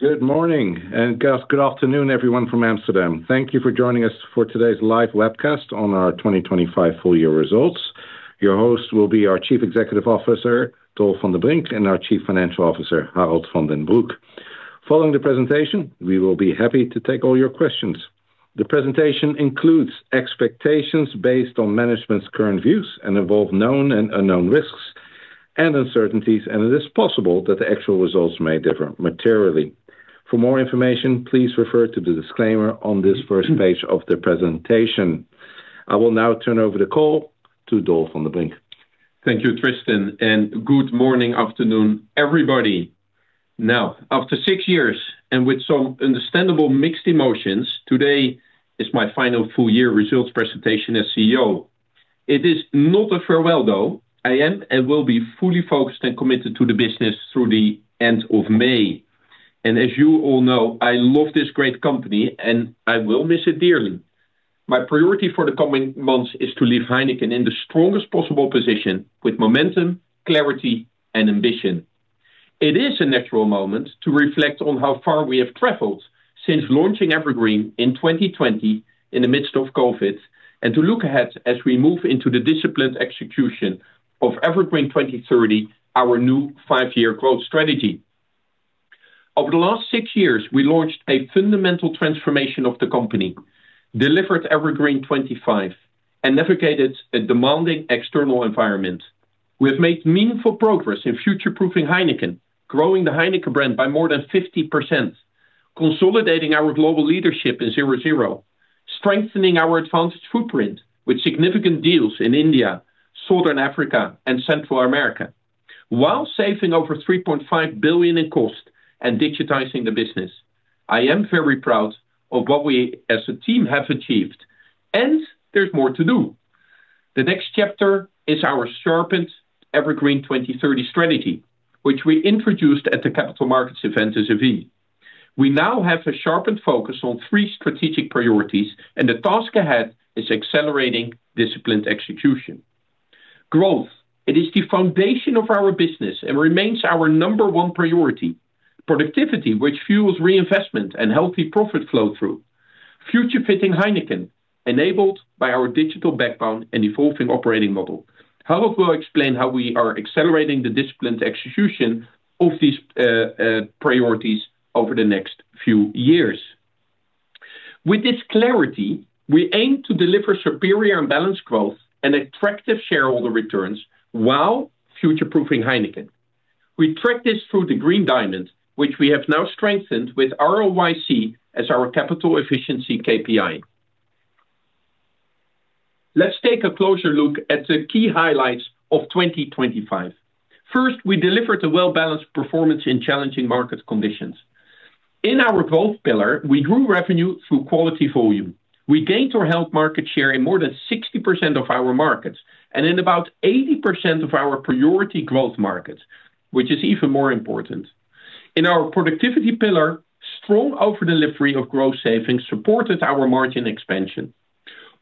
Good morning, and good afternoon, everyone, from Amsterdam. Thank you for joining us for today's live webcast on our 2025 full year results. Your host will be our Chief Executive Officer, Dolf van den Brink, and our Chief Financial Officer, Harold van den Broek. Following the presentation, we will be happy to take all your questions. The presentation includes expectations based on management's current views and involve known and unknown risks and uncertainties, and it is possible that the actual results may differ materially. For more information, please refer to the disclaimer on this first page of the presentation. I will now turn over the call to Dolf van den Brink. Thank you, Tristan, and good morning, afternoon, everybody. Now, after six years and with some understandable mixed emotions, today is my final full year results presentation as CEO. It is not a farewell, though. I am and will be fully focused and committed to the business through the end of May. As you all know, I love this great company, and I will miss it dearly. My priority for the coming months is to leave Heineken in the strongest possible position with momentum, clarity, and ambition. It is a natural moment to reflect on how far we have traveled since launching Evergreen in 2020, in the midst of COVID, and to look ahead as we move into the disciplined execution of Evergreen 2030, our new five-year growth strategy. Over the last six years, we launched a fundamental transformation of the company, delivered Evergreen 25, and navigated a demanding external environment. We have made meaningful progress in future-proofing Heineken, growing the Heineken brand by more than 50%, consolidating our global leadership in 0.0, strengthening our expanded footprint with significant deals in India, Southern Africa, and Central America, while saving over 3.5 billion in cost and digitizing the business. I am very proud of what we, as a team, have achieved, and there's more to do. The next chapter is our sharpened Evergreen 2030 strategy, which we introduced at the capital markets event in Seville. We now have a sharpened focus on 3 strategic priorities, and the task ahead is accelerating disciplined execution. Growth, it is the foundation of our business and remains our number one priority. Productivity, which fuels reinvestment and healthy profit flow through. Future-fitting Heineken, enabled by our digital backbone and evolving operating model. Harold will explain how we are accelerating the disciplined execution of these priorities over the next few years. With this clarity, we aim to deliver superior and balanced growth and attractive shareholder returns while future-proofing Heineken. We track this through the Green Diamond, which we have now strengthened with ROIC as our capital efficiency KPI. Let's take a closer look at the key highlights of 2025. First, we delivered a well-balanced performance in challenging market conditions. In our growth pillar, we grew revenue through quality volume. We gained or held market share in more than 60% of our markets and in about 80% of our priority growth markets, which is even more important. In our productivity pillar, strong over-delivery of gross savings supported our margin expansion.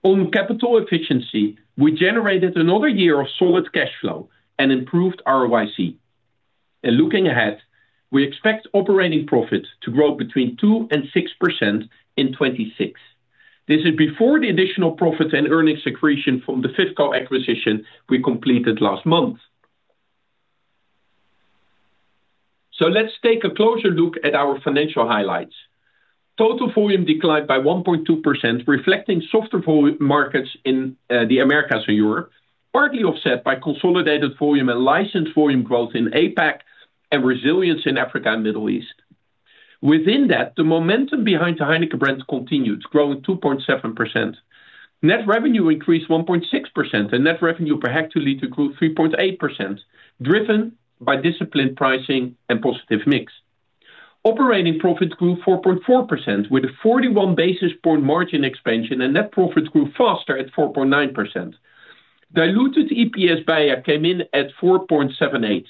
On capital efficiency, we generated another year of solid cash flow and improved ROIC. Looking ahead, we expect operating profits to grow between 2%-6% in 2026. This is before the additional profits and earnings accretion from the FIFCO acquisition we completed last month. So let's take a closer look at our financial highlights. Total volume declined by 1.2%, reflecting softer volume markets in the Americas and Europe, partly offset by consolidated volume and licensed volume growth in APAC and resilience in Africa and Middle East. Within that, the momentum behind the Heineken brands continued, growing 2.7%. Net revenue increased 1.6%, and net revenue per hectoliter grew 3.8%, driven by disciplined pricing and positive mix. Operating profits grew 4.4%, with a 41 basis point margin expansion, and net profits grew faster at 4.9%. Diluted EPS by year came in at 4.78.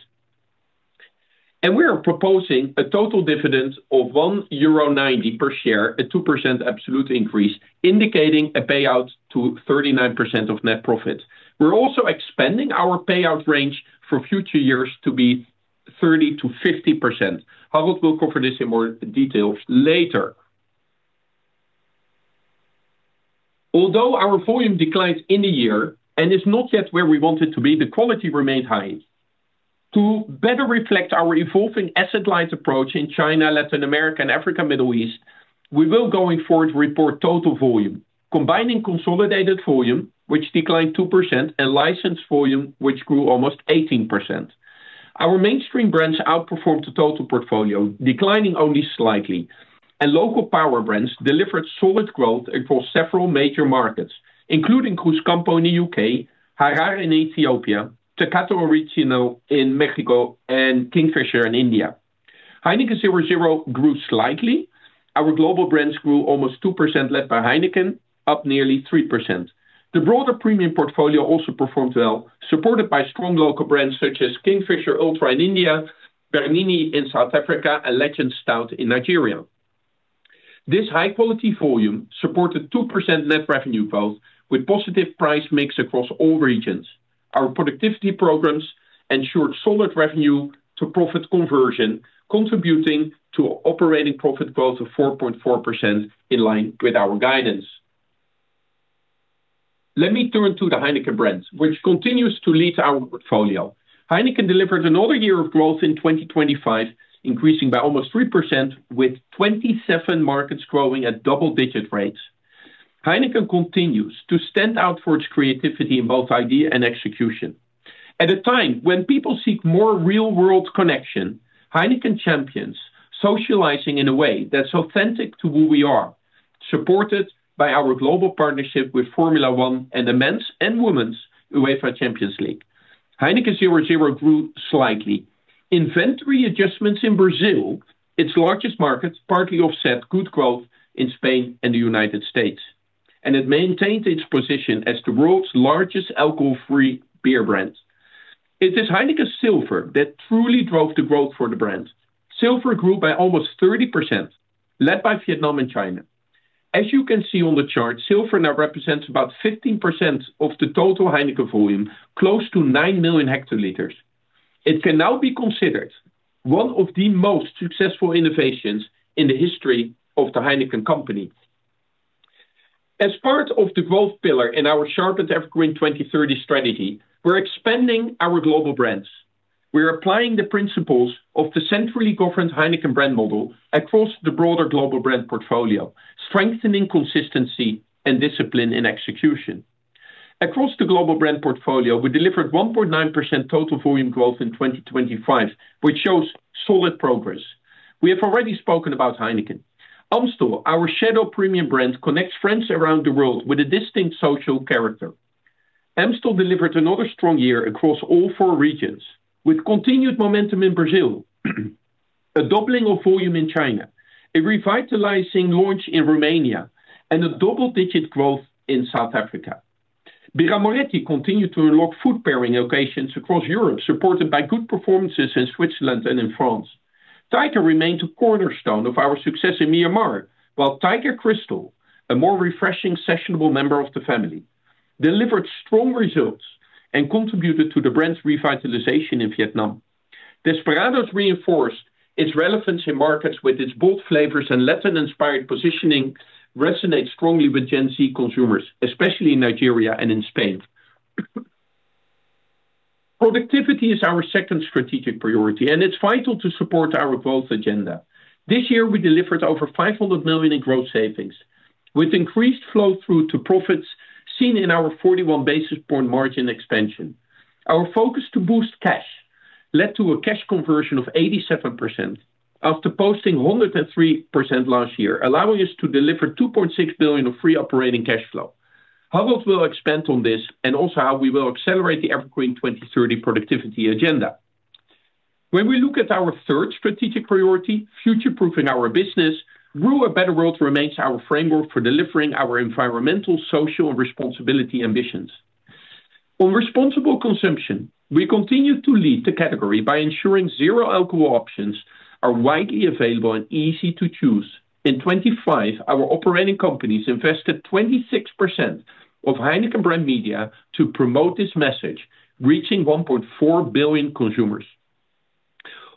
We are proposing a total dividend of 1.90 euro per share, a 2% absolute increase, indicating a payout to 39% of net profit. We're also expanding our payout range for future years to be 30%-50%. Harold will cover this in more details later. Although our volume declines in the year and is not yet where we want it to be, the quality remained high. To better reflect our evolving asset-light approach in China, Latin America, and Africa, Middle East, we will, going forward, report total volume, combining consolidated volume, which declined 2%, and licensed volume, which grew almost 18%. Our mainstream brands outperformed the total portfolio, declining only slightly, and local power brands delivered solid growth across several major markets, including Cruzcampo in the UK, Harar in Ethiopia, Tecate Original in Mexico, and Kingfisher in India. Heineken 0.0 grew slightly. Our global brands grew almost 2%, led by Heineken, up nearly 3%. The broader premium portfolio also performed well, supported by strong local brands such as Kingfisher Ultra in India, Bernini in South Africa, and Legend Extra Stout in Nigeria.... This high quality volume supported 2% net revenue growth, with positive price mix across all regions. Our productivity programs ensured solid revenue to profit conversion, contributing to operating profit growth of 4.4% in line with our guidance. Let me turn to the Heineken brands, which continues to lead our portfolio. Heineken delivered another year of growth in 2025, increasing by almost 3%, with 27 markets growing at double-digit rates. Heineken continues to stand out for its creativity in both idea and execution. At a time when people seek more real-world connection, Heineken champions socializing in a way that's authentic to who we are, supported by our global partnership with Formula One and the men's and women's UEFA Champions League. Heineken 0.0 grew slightly. Inventory adjustments in Brazil, its largest market, partly offset good growth in Spain and the United States, and it maintained its position as the world's largest alcohol-free beer brand. It is Heineken Silver that truly drove the growth for the brand. Silver grew by almost 30%, led by Vietnam and China. As you can see on the chart, Silver now represents about 15% of the total Heineken volume, close to 9 million hectoliters. It can now be considered one of the most successful innovations in the history of the Heineken company. As part of the growth pillar in our sharpened Evergreen 2030 strategy, we're expanding our global brands. We're applying the principles of the centrally governed Heineken brand model across the broader global brand portfolio, strengthening consistency and discipline in execution. Across the global brand portfolio, we delivered 1.9% total volume growth in 2025, which shows solid progress. We have already spoken about Heineken. Amstel, our shadow premium brand, connects friends around the world with a distinct social character. Amstel delivered another strong year across all four regions, with continued momentum in Brazil, a doubling of volume in China, a revitalizing launch in Romania, and a double-digit growth in South Africa. Birra Moretti continued to unlock food pairing occasions across Europe, supported by good performances in Switzerland and in France. Tiger remains a cornerstone of our success in Myanmar, while Tiger Crystal, a more refreshing, sessionable member of the family, delivered strong results and contributed to the brand's revitalization in Vietnam. Desperados reinforced its relevance in markets with its bold flavors and Latin-inspired positioning resonates strongly with Gen Z consumers, especially in Nigeria and in Spain. Productivity is our second strategic priority, and it's vital to support our growth agenda. This year, we delivered over 500 million in gross savings, with increased flow-through to profits seen in our 41 basis point margin expansion. Our focus to boost cash led to a cash conversion of 87% after posting 103% last year, allowing us to deliver 2.6 billion of free operating cash flow. Harold will expand on this and also how we will accelerate the Evergreen 2030 productivity agenda. When we look at our third strategic priority, future-proofing our business, Brew a Better World remains our framework for delivering our environmental, social, and responsibility ambitions. On responsible consumption, we continue to lead the category by ensuring zero alcohol options are widely available and easy to choose. In 2025, our operating companies invested 26% of Heineken brand media to promote this message, reaching 1.4 billion consumers.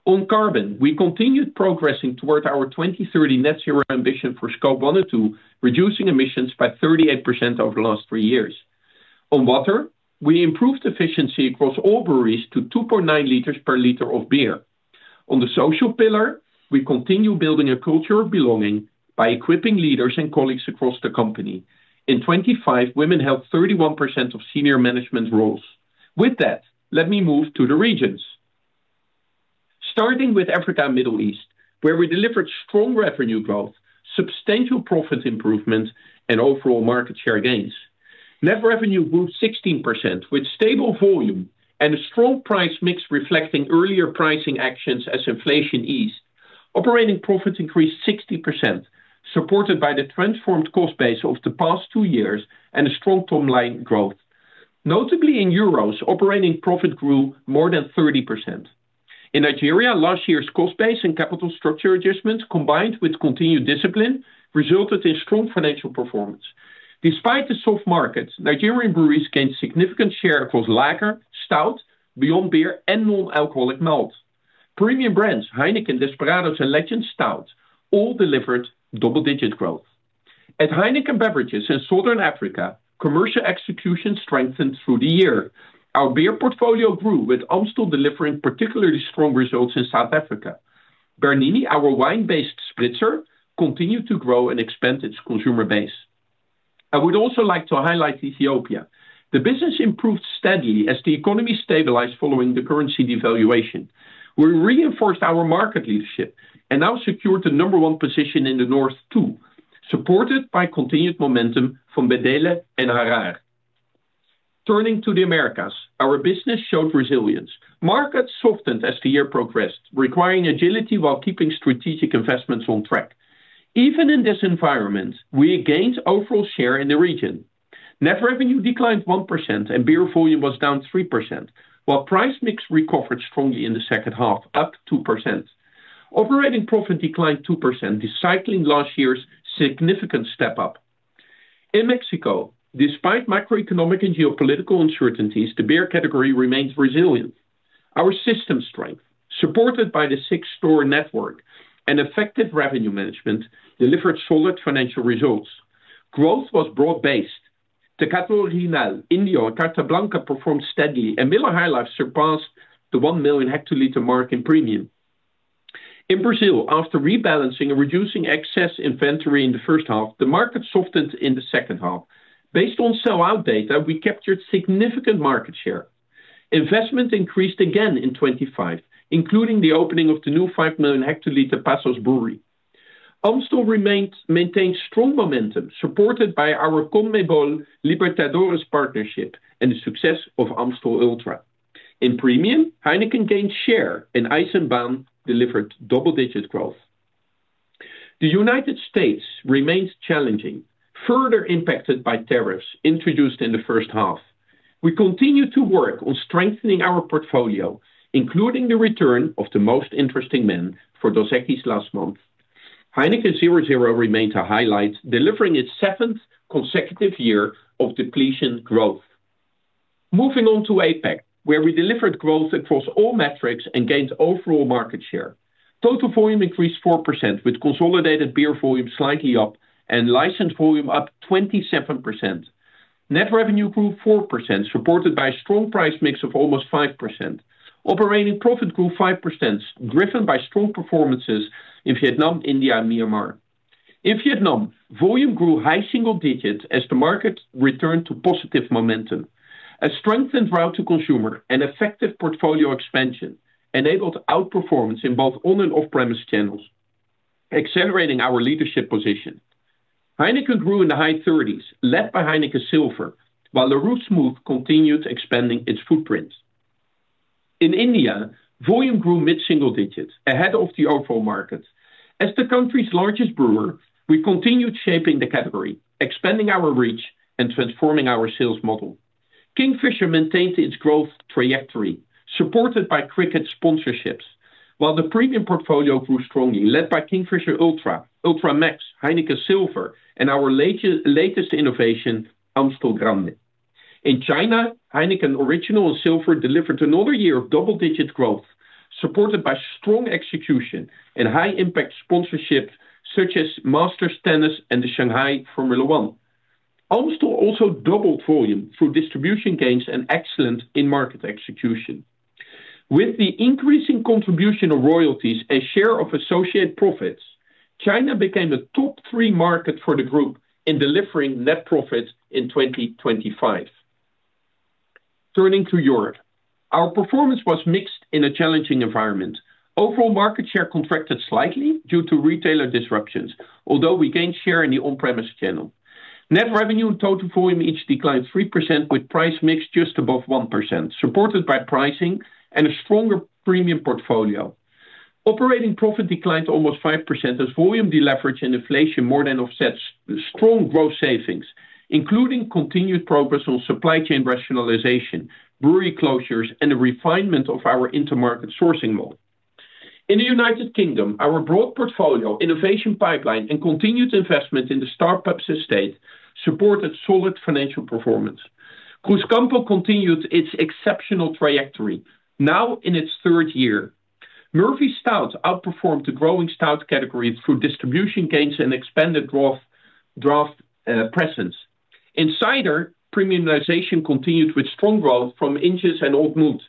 On carbon, we continued progressing toward our 2030 net zero ambition for Scope 1 and 2, reducing emissions by 38% over the last three years. On water, we improved efficiency across all breweries to 2.9 liters per liter of beer. On the social pillar, we continue building a culture of belonging by equipping leaders and colleagues across the company. In 2025, women held 31% of senior management roles. With that, let me move to the regions. Starting with Africa and Middle East, where we delivered strong revenue growth, substantial profit improvement, and overall market share gains. Net revenue grew 16%, with stable volume and a strong price mix, reflecting earlier pricing actions as inflation eased. Operating profits increased 60%, supported by the transformed cost base over the past two years and a strong top-line growth. Notably in euros, operating profit grew more than 30%. In Nigeria, last year's cost base and capital structure adjustments, combined with continued discipline, resulted in strong financial performance. Despite the soft markets, Nigerian Breweries gained significant share across lager, stout, beyond beer and non-alcoholic malt. Premium brands, Heineken, Desperados, and Legend Stout all delivered double-digit growth. At Heineken Beverages in Southern Africa, commercial execution strengthened through the year. Our beer portfolio grew, with Amstel delivering particularly strong results in South Africa. Bernini, our wine-based spritzer, continued to grow and expand its consumer base. I would also like to highlight Ethiopia. The business improved steadily as the economy stabilized following the currency devaluation. We reinforced our market leadership and now secured the number one position in the North, too, supported by continued momentum from Bedele and Harar. Turning to the Americas, our business showed resilience. Markets softened as the year progressed, requiring agility while keeping strategic investments on track. Even in this environment, we gained overall share in the region... Net revenue declined 1%, and beer volume was down 3%, while price mix recovered strongly in the second half, up 2%. Operating profit declined 2%, recycling last year's significant step up. In Mexico, despite macroeconomic and geopolitical uncertainties, the beer category remains resilient. Our system strength, supported by the Six store network and effective revenue management, delivered solid financial results. Growth was broad-based. The Original, Indio, and Carta Blanca performed steadily, and Miller High Life surpassed the 1 million hectoliter mark in premium. In Brazil, after rebalancing and reducing excess inventory in the first half, the market softened in the second half. Based on sell-out data, we captured significant market share. Investment increased again in 2025, including the opening of the new 5 million hectoliter Passos brewery. Amstel maintains strong momentum, supported by our CONMEBOL Libertadores partnership and the success of Amstel Ultra. In premium, Heineken gained share, and Eisenbahn delivered double-digit growth. The United States remains challenging, further impacted by tariffs introduced in the first half. We continue to work on strengthening our portfolio, including the return of the Most Interesting Man for Dos Equis last month. Heineken 0.0 remains a highlight, delivering its seventh consecutive year of depletion growth. Moving on to APAC, where we delivered growth across all metrics and gained overall market share. Total volume increased 4%, with consolidated beer volume slightly up and licensed volume up 27%. Net revenue grew 4%, supported by a strong price mix of almost 5%. Operating profit grew 5%, driven by strong performances in Vietnam, India, and Myanmar. In Vietnam, volume grew high single digits as the market returned to positive momentum. A strengthened route to consumer and effective portfolio expansion enabled outperformance in both on- and off-premise channels, accelerating our leadership position. Heineken grew in the high 30s, led by Heineken Silver, while Larue Smooth continued expanding its footprint. In India, volume grew mid-single digits ahead of the overall market. As the country's largest brewer, we continued shaping the category, expanding our reach and transforming our sales model. Kingfisher maintained its growth trajectory, supported by cricket sponsorships, while the premium portfolio grew strongly, led by Kingfisher Ultra, Ultra Max, Heineken Silver, and our latest innovation, Amstel brand. In China, Heineken Original and Silver delivered another year of double-digit growth, supported by strong execution and high-impact sponsorships such as Masters Tennis and the Shanghai Formula One. Amstel also doubled volume through distribution gains and excellent in-market execution. With the increasing contribution of royalties and share of associate profits, China became the top three market for the group in delivering net profits in 2025. Turning to Europe, our performance was mixed in a challenging environment. Overall, market share contracted slightly due to retailer disruptions, although we gained share in the on-premise channel. Net revenue and total volume each declined 3%, with price mix just above 1%, supported by pricing and a stronger premium portfolio. Operating profit declined almost 5% as volume deleverage and inflation more than offsets strong gross savings, including continued progress on supply chain rationalization, brewery closures, and the refinement of our intermarket sourcing model. In the United Kingdom, our broad portfolio, innovation pipeline, and continued investment in the Star Pubs estate supported solid financial performance. Cruzcampo continued its exceptional trajectory, now in its third year. Murphy's Stout outperformed the growing stout category through distribution gains and expanded growth draught presence. In cider, premiumization continued with strong growth from Inch's and Old Mout.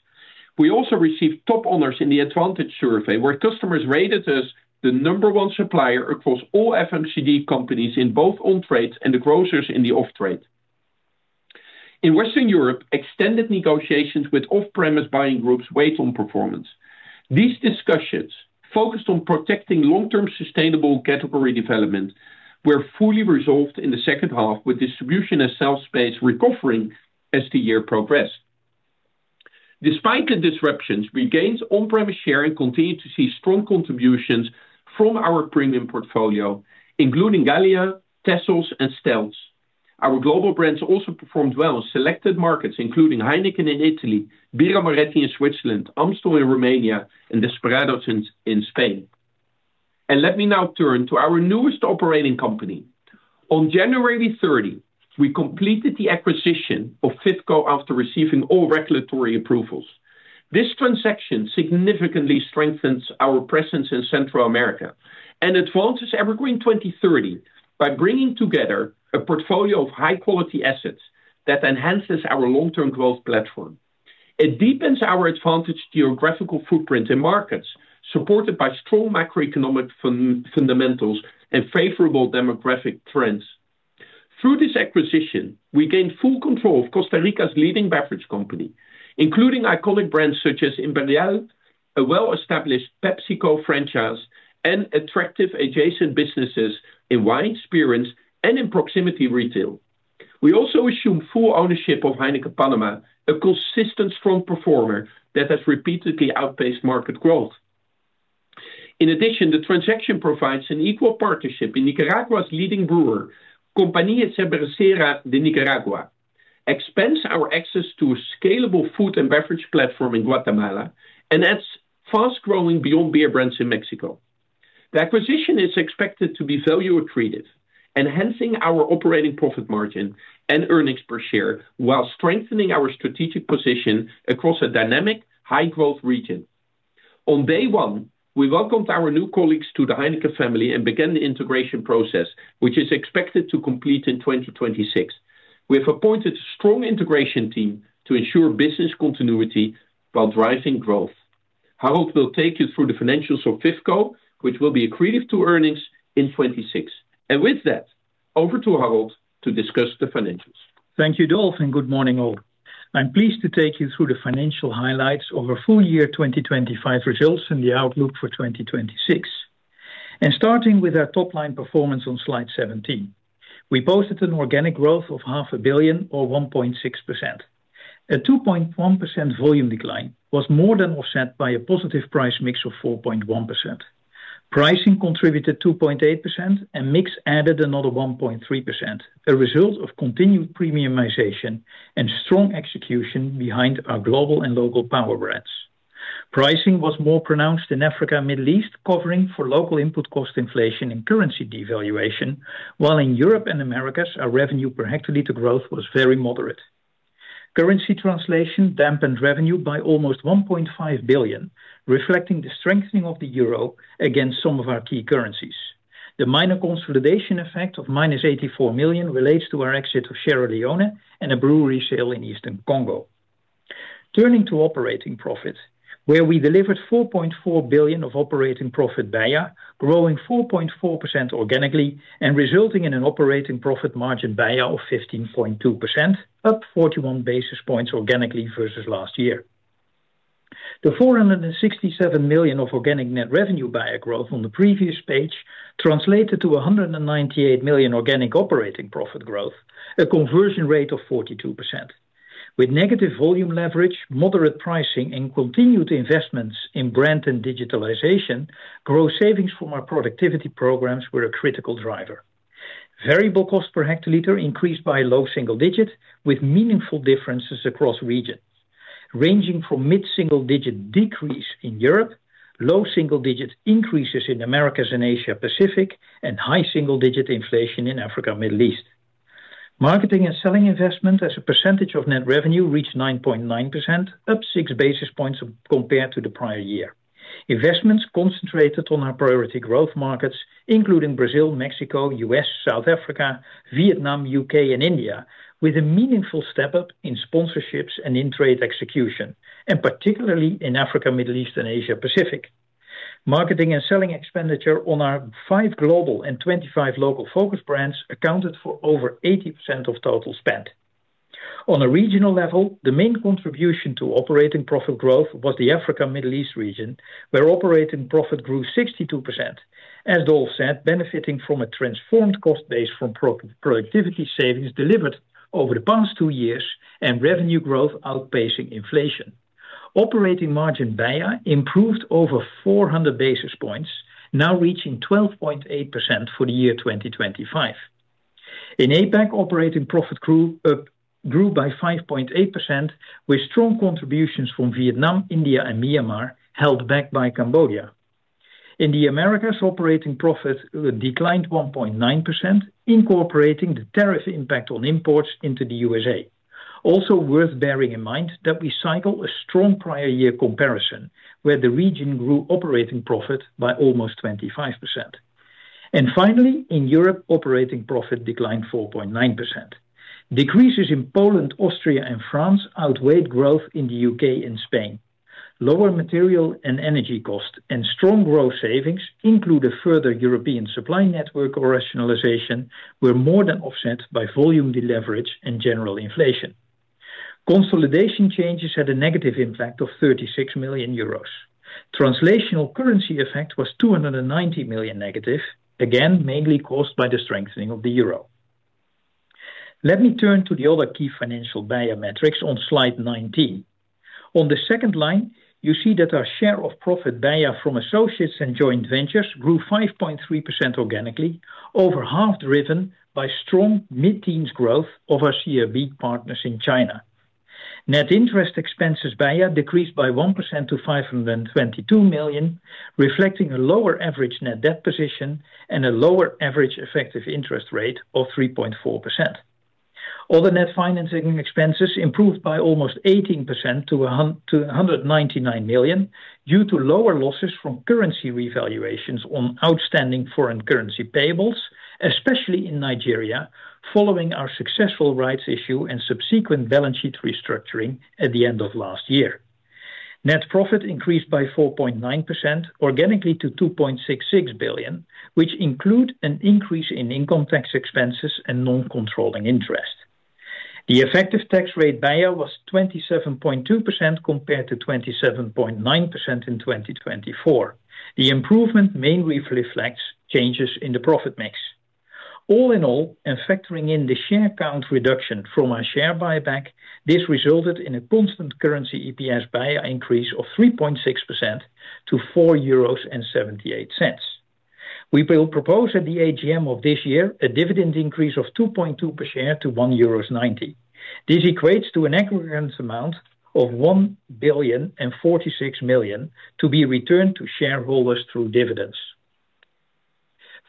We also received top honors in the Advantage survey, where customers rated us the number one supplier across all FMCG companies in both on-trades and the grocers in the off-trade. In Western Europe, extended negotiations with off-premise buying groups weighed on performance. These discussions, focused on protecting long-term sustainable category development, were fully resolved in the second half, with distribution and sales space recovering as the year progressed. Despite the disruptions, we gained on-premise share and continued to see strong contributions from our premium portfolio, including Gallia, Texels, and Stëlz. Our global brands also performed well in selected markets, including Heineken in Italy, Birra Moretti in Switzerland, Amstel in Romania, and Desperados in Spain. Let me now turn to our newest operating company. On January 30, we completed the acquisition of FIFCO after receiving all regulatory approvals. This transaction significantly strengthens our presence in Central America and advances Evergreen 2030 by bringing together a portfolio of high-quality assets that enhances our long-term growth platform. It deepens our advantageous geographical footprint in markets supported by strong macroeconomic fundamentals and favorable demographic trends. Through this acquisition, we gained full control of Costa Rica's leading beverage company, including iconic brands such as Imperial, a well-established PepsiCo franchise, and attractive adjacent businesses in wine, experience, and proximity retail. We also assume full ownership of Heineken Panama, a consistent strong performer that has repeatedly outpaced market growth. In addition, the transaction provides an equal partnership in Nicaragua's leading brewer, Compañía Cervecera de Nicaragua, expands our access to a scalable food and beverage platform in Guatemala, and adds fast-growing beyond beer brands in Mexico. The acquisition is expected to be value accretive, enhancing our operating profit margin and earnings per share, while strengthening our strategic position across a dynamic, high-growth region. On day one, we welcomed our new colleagues to the Heineken family and began the integration process, which is expected to complete in 2026. We have appointed a strong integration team to ensure business continuity while driving growth. Harold will take you through the financials of FIFCO, which will be accretive to earnings in 2026. And with that, over to Harold to discuss the financials. Thank you, Dolf, and good morning, all. I'm pleased to take you through the financial highlights of our full year 2025 results and the outlook for 2026. Starting with our top-line performance on slide 17. We posted an organic growth of 500 million or 1.6%. A 2.1% volume decline was more than offset by a positive price mix of 4.1%. Pricing contributed 2.8%, and mix added another 1.3%, a result of continued premiumization and strong execution behind our global and local power brands. Pricing was more pronounced in Africa, Middle East, covering for local input cost inflation and currency devaluation, while in Europe and Americas, our revenue per hectoliter growth was very moderate. Currency translation dampened revenue by almost 1.5 billion, reflecting the strengthening of the euro against some of our key currencies. The minor consolidation effect of -84 million relates to our exit of Sierra Leone and a brewery sale in Eastern Congo. Turning to operating profit, where we delivered 4.4 billion of operating profit BEIA, growing 4.4% organically and resulting in an operating profit margin BEIA of 15.2%, up 41 basis points organically versus last year. The 467 million of organic net revenue BEIA growth on the previous page translated to 198 million organic operating profit growth, a conversion rate of 42%. With negative volume leverage, moderate pricing, and continued investments in brand and digitalization, gross savings from our productivity programs were a critical driver. Variable cost per hectoliter increased by low single digits, with meaningful differences across regions, ranging from mid-single-digit decrease in Europe, low single-digits increases in Americas and Asia Pacific, and high single-digit inflation in Africa, Middle East. Marketing and selling investment as a percentage of net revenue reached 9.9%, up six basis points compared to the prior year. Investments concentrated on our priority growth markets, including Brazil, Mexico, U.S., South Africa, Vietnam, U.K., and India, with a meaningful step-up in sponsorships and in-trade execution, and particularly in Africa, Middle East, and Asia Pacific. Marketing and selling expenditure on our five global and 25 local focus brands accounted for over 80% of total spend. On a regional level, the main contribution to operating profit growth was the Africa, Middle East region, where operating profit grew 62%. As Dolf said, benefiting from a transformed cost base from pro-productivity savings delivered over the past two years and revenue growth outpacing inflation. Operating margin BEIA improved over 400 basis points, now reaching 12.8% for the year 2025. In APAC, operating profit grew by 5.8%, with strong contributions from Vietnam, India, and Myanmar, held back by Cambodia. In the Americas, operating profit declined 1.9%, incorporating the tariff impact on imports into the U.S.A. Also worth bearing in mind that we cycle a strong prior year comparison, where the region grew operating profit by almost 25%. Finally, in Europe, operating profit declined 4.9%. Decreases in Poland, Austria, and France outweighed growth in the UK and Spain. Lower material and energy costs and strong gross savings include a further European supply network or rationalization, were more than offset by volume deleverage and general inflation. Consolidation changes had a negative impact of 36 million euros. Translational currency effect was 290 million negative, again, mainly caused by the strengthening of the euro. Let me turn to the other key financial BEIA metrics on slide 19. On the second line, you see that our share of profit BEIA from associates and joint ventures grew 5.3% organically, over half driven by strong mid-teens growth of our CRB partners in China. Net interest expenses, BEIA, decreased by 1% to 522 million, reflecting a lower average net debt position and a lower average effective interest rate of 3.4%. All the net financing expenses improved by almost 18% to 199 million due to lower losses from currency revaluations on outstanding foreign currency payables, especially in Nigeria, following our successful rights issue and subsequent balance sheet restructuring at the end of last year. Net profit increased by 4.9% organically to 2.66 billion, which include an increase in income tax expenses and non-controlling interest. The effective tax rate BEIA was 27.2% compared to 27.9% in 2024. The improvement mainly reflects changes in the profit mix. All in all, and factoring in the share count reduction from our share buyback, this resulted in a constant currency EPS by a increase of 3.6% to 4.78 euros. We will propose at the AGM of this year a dividend increase of 2.2 per share to 1.90 euros. This equates to an aggregate amount of 1,046 million to be returned to shareholders through dividends.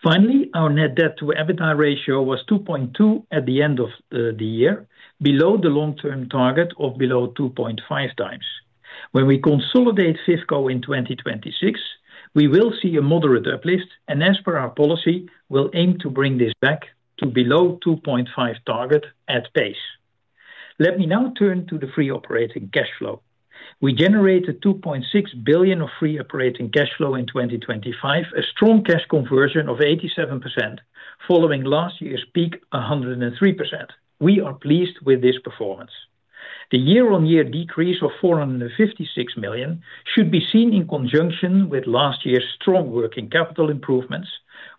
Finally, our net debt to EBITDA ratio was 2.2 at the end of the year, below the long-term target of below 2.5 times. When we consolidate FIFCO in 2026, we will see a moderate uplift, and as per our policy, we'll aim to bring this back to below 2.5 target at pace. Let me now turn to the free operating cash flow. We generated 2.6 billion of free operating cash flow in 2025, a strong cash conversion of 87%, following last year's peak, 103%. We are pleased with this performance. The year-on-year decrease of 456 million should be seen in conjunction with last year's strong working capital improvements,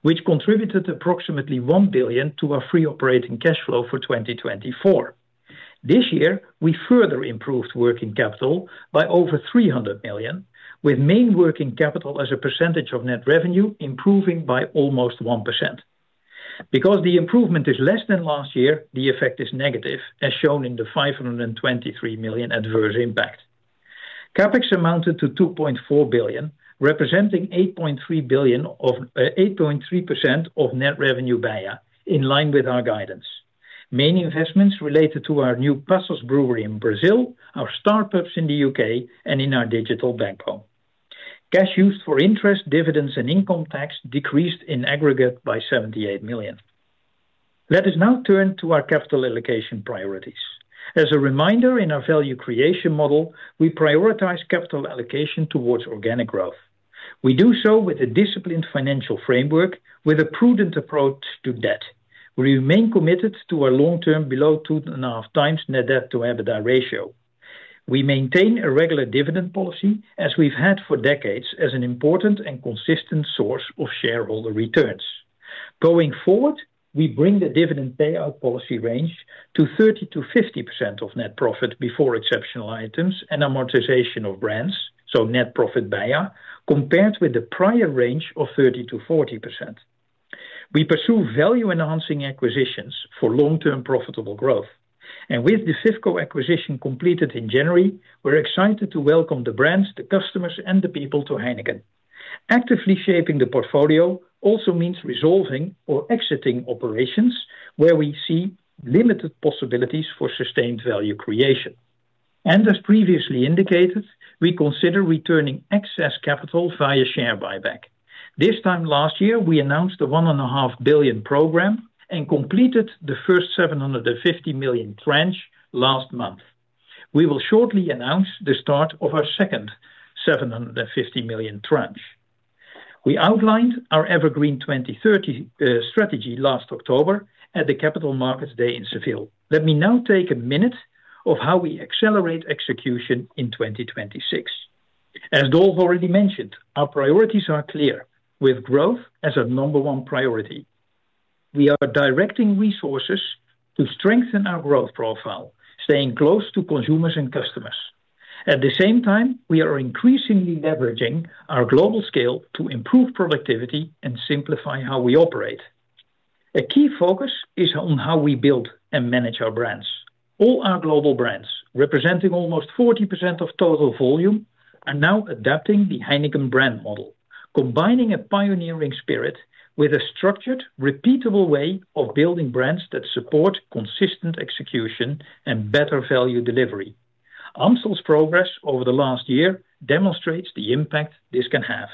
which contributed approximately 1 billion to our free operating cash flow for 2024. This year, we further improved working capital by over 300 million, with main working capital as a percentage of net revenue, improving by almost 1%. Because the improvement is less than last year, the effect is negative, as shown in the 523 million adverse impact. CapEx amounted to 2.4 billion, representing 8.3% of net revenue BEIA, in line with our guidance. Main investments related to our new Passos brewery in Brazil, our Star Pubs in the UK, and in our digital backbone. Cash used for interest, dividends, and income tax decreased in aggregate by 78 million. Let us now turn to our capital allocation priorities. As a reminder, in our value creation model, we prioritize capital allocation towards organic growth. We do so with a disciplined financial framework, with a prudent approach to debt. We remain committed to our long-term below 2.5 times net debt-to-EBITDA ratio. We maintain a regular dividend policy, as we've had for decades, as an important and consistent source of shareholder returns. Going forward, we bring the dividend payout policy range to 30%-50% of net profit before exceptional items and amortization of brands, so net profit BEIA, compared with the prior range of 30%-40%. We pursue value-enhancing acquisitions for long-term profitable growth, and with the FIFCO acquisition completed in January, we're excited to welcome the brands, the customers, and the people to Heineken. Actively shaping the portfolio also means resolving or exiting operations where we see limited possibilities for sustained value creation. As previously indicated, we consider returning excess capital via share buyback. This time last year, we announced a 1.5 billion program and completed the first 750 million tranche last month. We will shortly announce the start of our second 750 million tranche. We outlined our Evergreen 2030 strategy last October at the Capital Markets Day in Seville. Let me now take a minute of how we accelerate execution in 2026. As Dolf already mentioned, our priorities are clear, with growth as our number one priority. We are directing resources to strengthen our growth profile, staying close to consumers and customers. At the same time, we are increasingly leveraging our global scale to improve productivity and simplify how we operate. A key focus is on how we build and manage our brands. All our global brands, representing almost 40% of total volume, are now adapting the Heineken brand model, combining a pioneering spirit with a structured, repeatable way of building brands that support consistent execution and better value delivery. Amstel's progress over the last year demonstrates the impact this can have.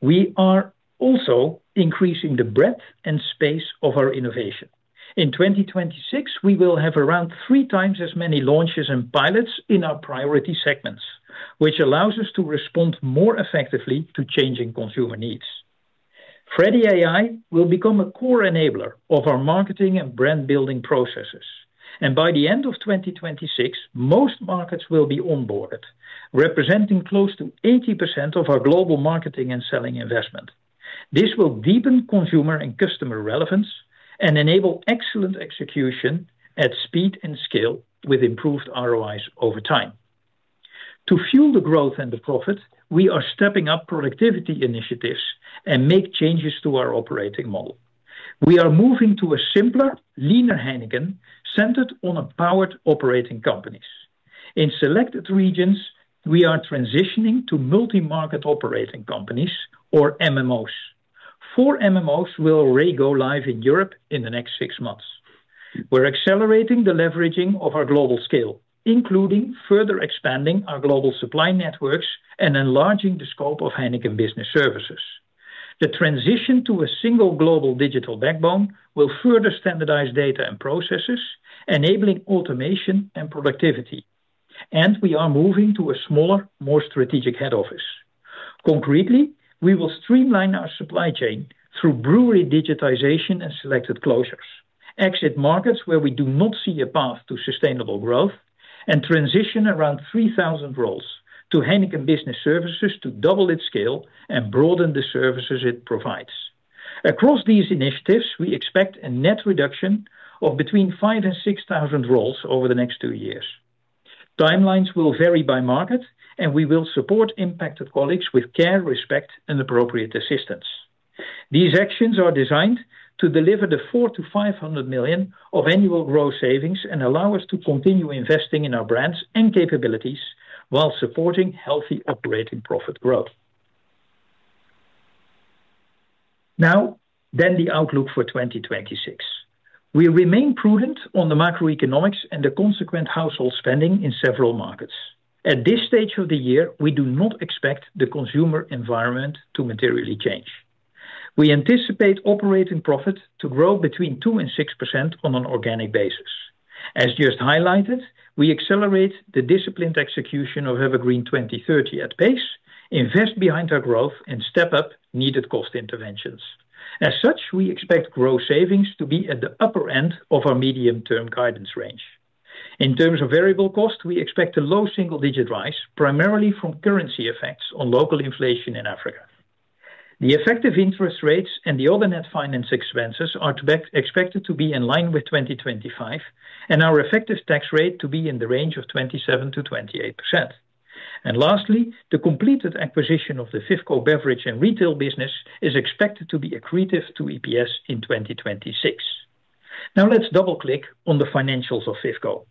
We are also increasing the breadth and space of our innovation. In 2026, we will have around three times as many launches and pilots in our priority segments, which allows us to respond more effectively to changing consumer needs. Freddy AI will become a core enabler of our marketing and brand building processes. By the end of 2026, most markets will be onboarded, representing close to 80% of our global marketing and selling investment. This will deepen consumer and customer relevance and enable excellent execution at speed and scale, with improved ROIs over time. To fuel the growth and the profit, we are stepping up productivity initiatives and make changes to our operating model. We are moving to a simpler, leaner Heineken, centered on empowered operating companies. In selected regions, we are transitioning to multi-market operating companies or MMOs. Four MMOs will already go live in Europe in the next six months. We're accelerating the leveraging of our global scale, including further expanding our global supply networks and enlarging the scope of Heineken Business Services. The transition to a single global digital backbone will further standardize data and processes, enabling automation and productivity. We are moving to a smaller, more strategic head office. Concretely, we will streamline our supply chain through brewery digitization and selected closures, exit markets where we do not see a path to sustainable growth, and transition around 3,000 roles to Heineken Business Services to double its scale and broaden the services it provides. Across these initiatives, we expect a net reduction of between 5,000 and 6,000 roles over the next two years. Timelines will vary by market, and we will support impacted colleagues with care, respect, and appropriate assistance. These actions are designed to deliver 400-500 million of annual gross savings and allow us to continue investing in our brands and capabilities while supporting healthy operating profit growth. Now, then, the outlook for 2026. We remain prudent on the macroeconomics and the consequent household spending in several markets. At this stage of the year, we do not expect the consumer environment to materially change. We anticipate operating profit to grow between 2% and 6% on an organic basis. As just highlighted, we accelerate the disciplined execution of Evergreen 2030 at pace, invest behind our growth, and step up needed cost interventions. As such, we expect gross savings to be at the upper end of our medium-term guidance range. In terms of variable cost, we expect a low single-digit rise, primarily from currency effects on local inflation in Africa. The effective interest rates and the other net finance expenses are to be expected to be in line with 2025, and our effective tax rate to be in the range of 27%-28%. And lastly, the completed acquisition of the FIFCO Beverage and Retail business is expected to be accretive to EPS in 2026. Now, let's double-click on the financials of FIFCO.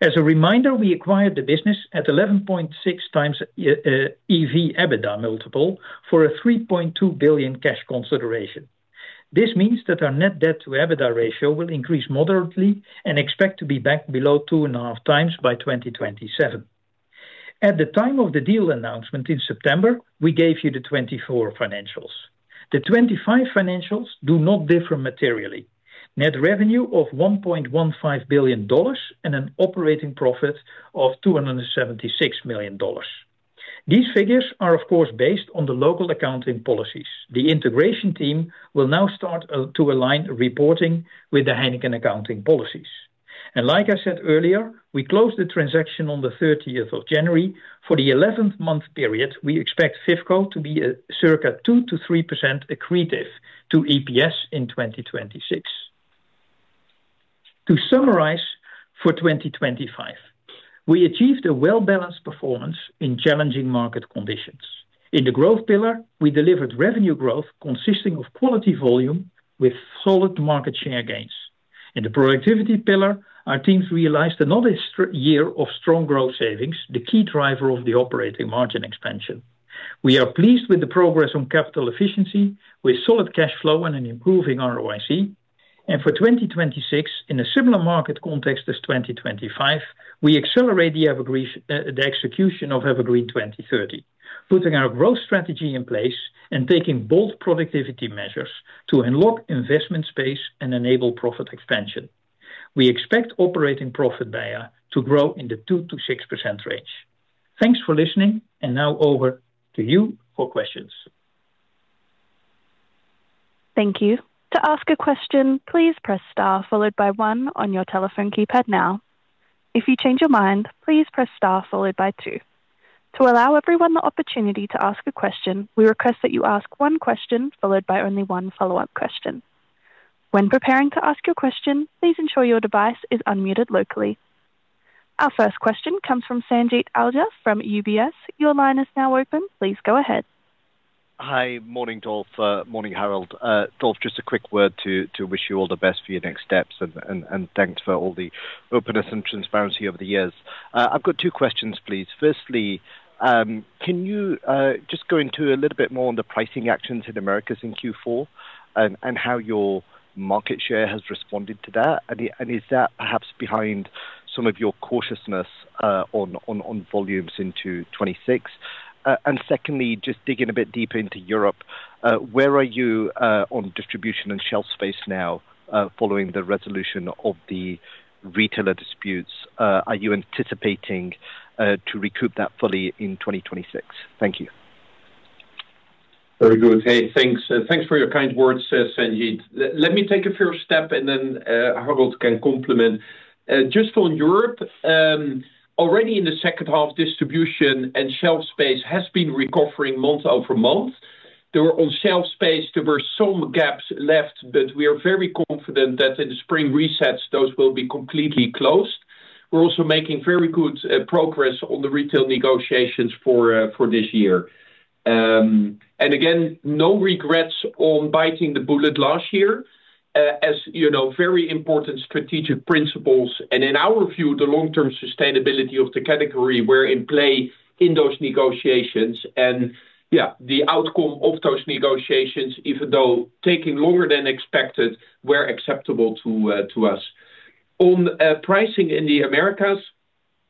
As a reminder, we acquired the business at 11.6x EV/EBITDA multiple for a $3.2 billion cash consideration. This means that our net debt to EBITDA ratio will increase moderately and expect to be back below 2.5x by 2027. At the time of the deal announcement in September, we gave you the 2024 financials. The 2025 financials do not differ materially. Net revenue of $1.15 billion and an operating profit of $276 million. These figures are, of course, based on the local accounting policies. The integration team will now start to align reporting with the Heineken accounting policies. And like I said earlier, we closed the transaction on the thirtieth of January. For the 11-month period, we expect FIFCO to be a circa 2%-3% accretive to EPS in 2026. To summarize, for 2025, we achieved a well-balanced performance in challenging market conditions. In the growth pillar, we delivered revenue growth consisting of quality volume with solid market share gains. In the productivity pillar, our teams realized another strong year of strong gross savings, the key driver of the operating margin expansion. We are pleased with the progress on capital efficiency, with solid cash flow and an improving ROIC. And for 2026, in a similar market context as 2025, we accelerate the execution of Evergreen 2030, putting our growth strategy in place and taking bold productivity measures to unlock investment space and enable profit expansion. We expect operating profit BEIA to grow in the 2%-6% range. Thanks for listening, and now over to you for questions. Thank you. To ask a question, please press star followed by one on your telephone keypad now. If you change your mind, please press star followed by two. To allow everyone the opportunity to ask a question, we request that you ask one question followed by only one follow-up question. When preparing to ask your question, please ensure your device is unmuted locally. Our first question comes from Sanjeet Aujla from UBS. Your line is now open. Please go ahead. Hi. Morning, Dolf. Morning, Harold. Dolf, just a quick word to wish you all the best for your next steps and thanks for all the openness and transparency over the years. I've got two questions, please. Firstly, can you just go into a little bit more on the pricing actions in Americas in Q4 and how your market share has responded to that? And is that perhaps behind some of your cautiousness on volumes into 2026? And secondly, just digging a bit deeper into Europe, where are you on distribution and shelf space now following the resolution of the retailer disputes? Are you anticipating to recoup that fully in 2026? Thank you. Very good. Hey, thanks. Thanks for your kind words, Sanjeet. Let me take a first step, and then Harold can comment. Just on Europe, already in the second half, distribution and shelf space has been recovering month-over-month. There were, on shelf space, there were some gaps left, but we are very confident that in the spring resets, those will be completely closed. We're also making very good progress on the retail negotiations for this year. And again, no regrets on biting the bullet last year, as you know, very important strategic principles, and in our view, the long-term sustainability of the category were in play in those negotiations. Yeah, the outcome of those negotiations, even though taking longer than expected, were acceptable to us. On pricing in the Americas,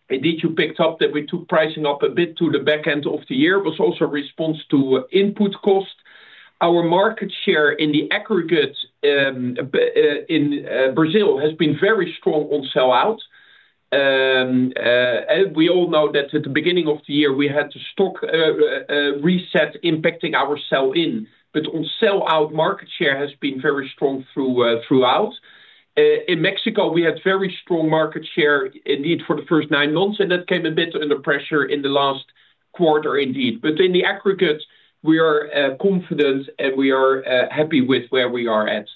indeed, you picked up that we took pricing up a bit to the back end of the year. It was also a response to input cost. Our market share in the aggregate, in Brazil, has been very strong on sell out. And we all know that at the beginning of the year, we had a stock reset impacting our sell in. But on sell out, market share has been very strong throughout. In Mexico, we had very strong market share indeed for the first nine months, and that came a bit under pressure in the last-... quarter indeed. But in the aggregate, we are confident and we are happy with where we are at.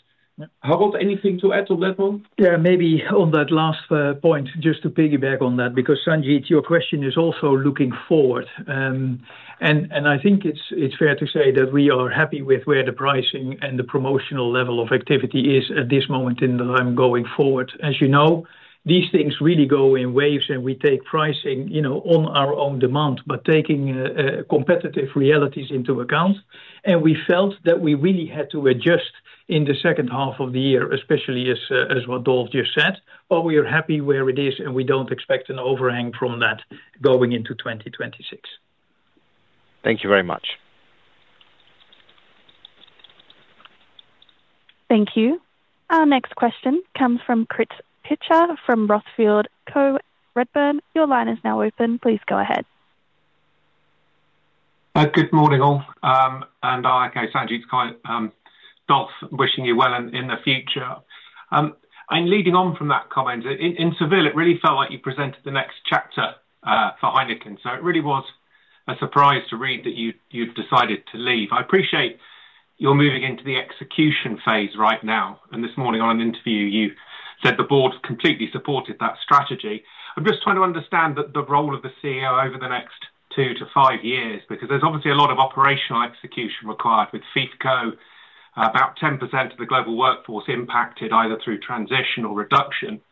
Harold, anything to add to that one? Yeah, maybe on that last point, just to piggyback on that, because, Sanjeet, your question is also looking forward. And I think it's fair to say that we are happy with where the pricing and the promotional level of activity is at this moment in time going forward. As you know, these things really go in waves, and we take pricing, you know, on our own terms, but taking competitive realities into account. And we felt that we really had to adjust in the second half of the year, especially as what Dolf just said. But we are happy where it is, and we don't expect an overhang from that going into 2026. Thank you very much. Thank you. Our next question comes from Chris Pitcher, from Redburn Atlantic. Your line is now open. Please go ahead. Good morning, all. Okay, Sanjeet, Dolf, wishing you well in the future. Leading on from that comment, in Seville, it really felt like you presented the next chapter for Heineken, so it really was a surprise to read that you'd, you've decided to leave. I appreciate you're moving into the execution phase right now, and this morning on an interview, you said the board completely supported that strategy. I'm just trying to understand the role of the CEO over the next 2-5 years, because there's obviously a lot of operational execution required with FIFCO. About 10% of the global workforce impacted either through transition or reduction,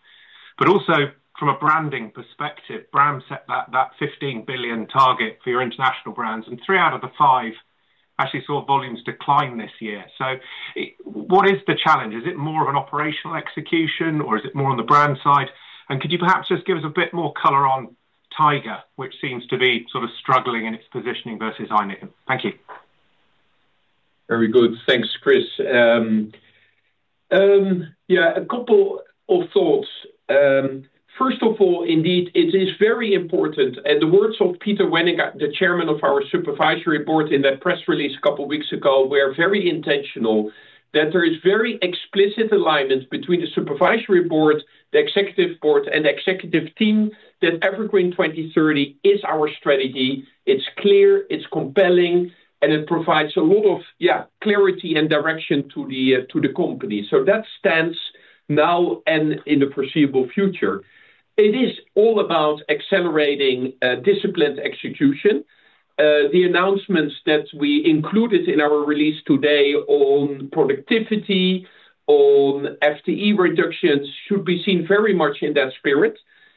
but also from a branding perspective, brand set that 15 billion target for your international brands, and 3 out of the 5 actually saw volumes decline this year. So, what is the challenge? Is it more of an operational execution, or is it more on the brand side? And could you perhaps just give us a bit more color on Tiger, which seems to be sort of struggling in its positioning versus Heineken? Thank you. Very good. Thanks, Chris. Yeah, a couple of thoughts. First of all, indeed, it is very important, and the words of Jean-Marc Huët, the Chairman of our Supervisory Board, in that press release a couple of weeks ago, were very intentional, that there is very explicit alignment between the Supervisory Board, the Executive Board, and the executive team, that Evergreen 2030 is our strategy. It's clear, it's compelling, and it provides a lot of, yeah, clarity and direction to the company. So that stands now and in the foreseeable future. It is all about accelerating disciplined execution. The announcements that we included in our release today on productivity, on FTE reductions, should be seen very much in that spirit.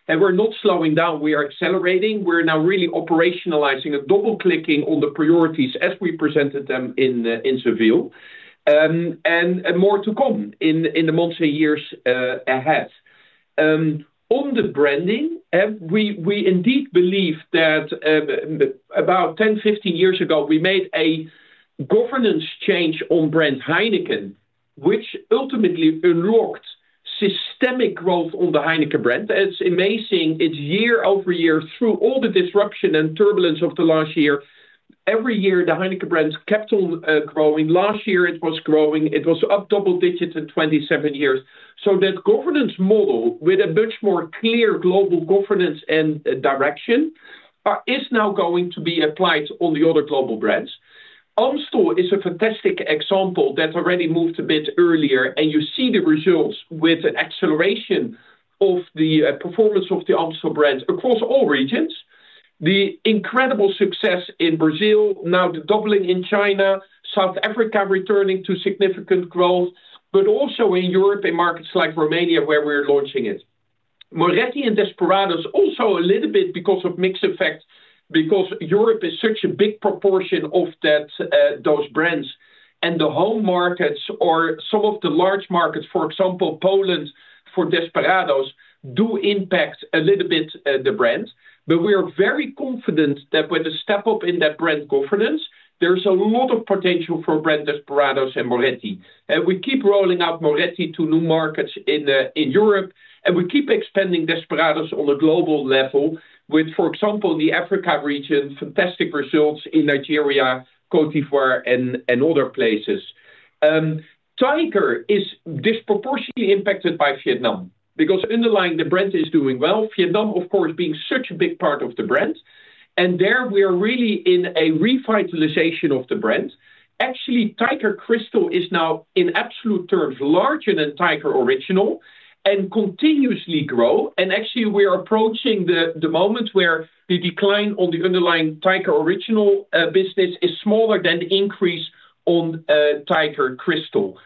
And we're not slowing down, we are accelerating. We're now really operationalizing and double-clicking on the priorities as we presented them in Seville. More to come in the months and years ahead. On the branding, we indeed believe that about 10, 15 years ago, we made a governance change on brand Heineken, which ultimately unlocked systemic growth on the Heineken brand. It's amazing, it's year-over-year, through all the disruption and turbulence of the last year, every year, the Heineken brands kept on growing. Last year it was growing. It was up double digits in 27 years. So that governance model, with a much more clear global governance and direction, is now going to be applied on the other global brands. Amstel is a fantastic example that already moved a bit earlier, and you see the results with an acceleration of the performance of the Amstel brand across all regions. The incredible success in Brazil, now the doubling in China, South Africa returning to significant growth, but also in Europe, in markets like Romania, where we're launching it. Moretti and Desperados also a little bit because of mix effects, because Europe is such a big proportion of that, those brands. The home markets or some of the large markets, for example, Poland for Desperados, do impact a little bit, the brand. But we are very confident that with the step up in that brand governance, there's a lot of potential for brand Desperados and Moretti. We keep rolling out Moretti to new markets in Europe, and we keep expanding Desperados on a global level with, for example, the Africa region, fantastic results in Nigeria, Côte d'Ivoire, and other places. Tiger is disproportionately impacted by Vietnam, because underlying the brand is doing well. Vietnam, of course, being such a big part of the brand, and there we are really in a revitalization of the brand. Actually, Tiger Crystal is now, in absolute terms, larger than Tiger Original and continuously grow. And actually, we are approaching the moment where the decline on the underlying Tiger Original business is smaller than the increase on Tiger Crystal.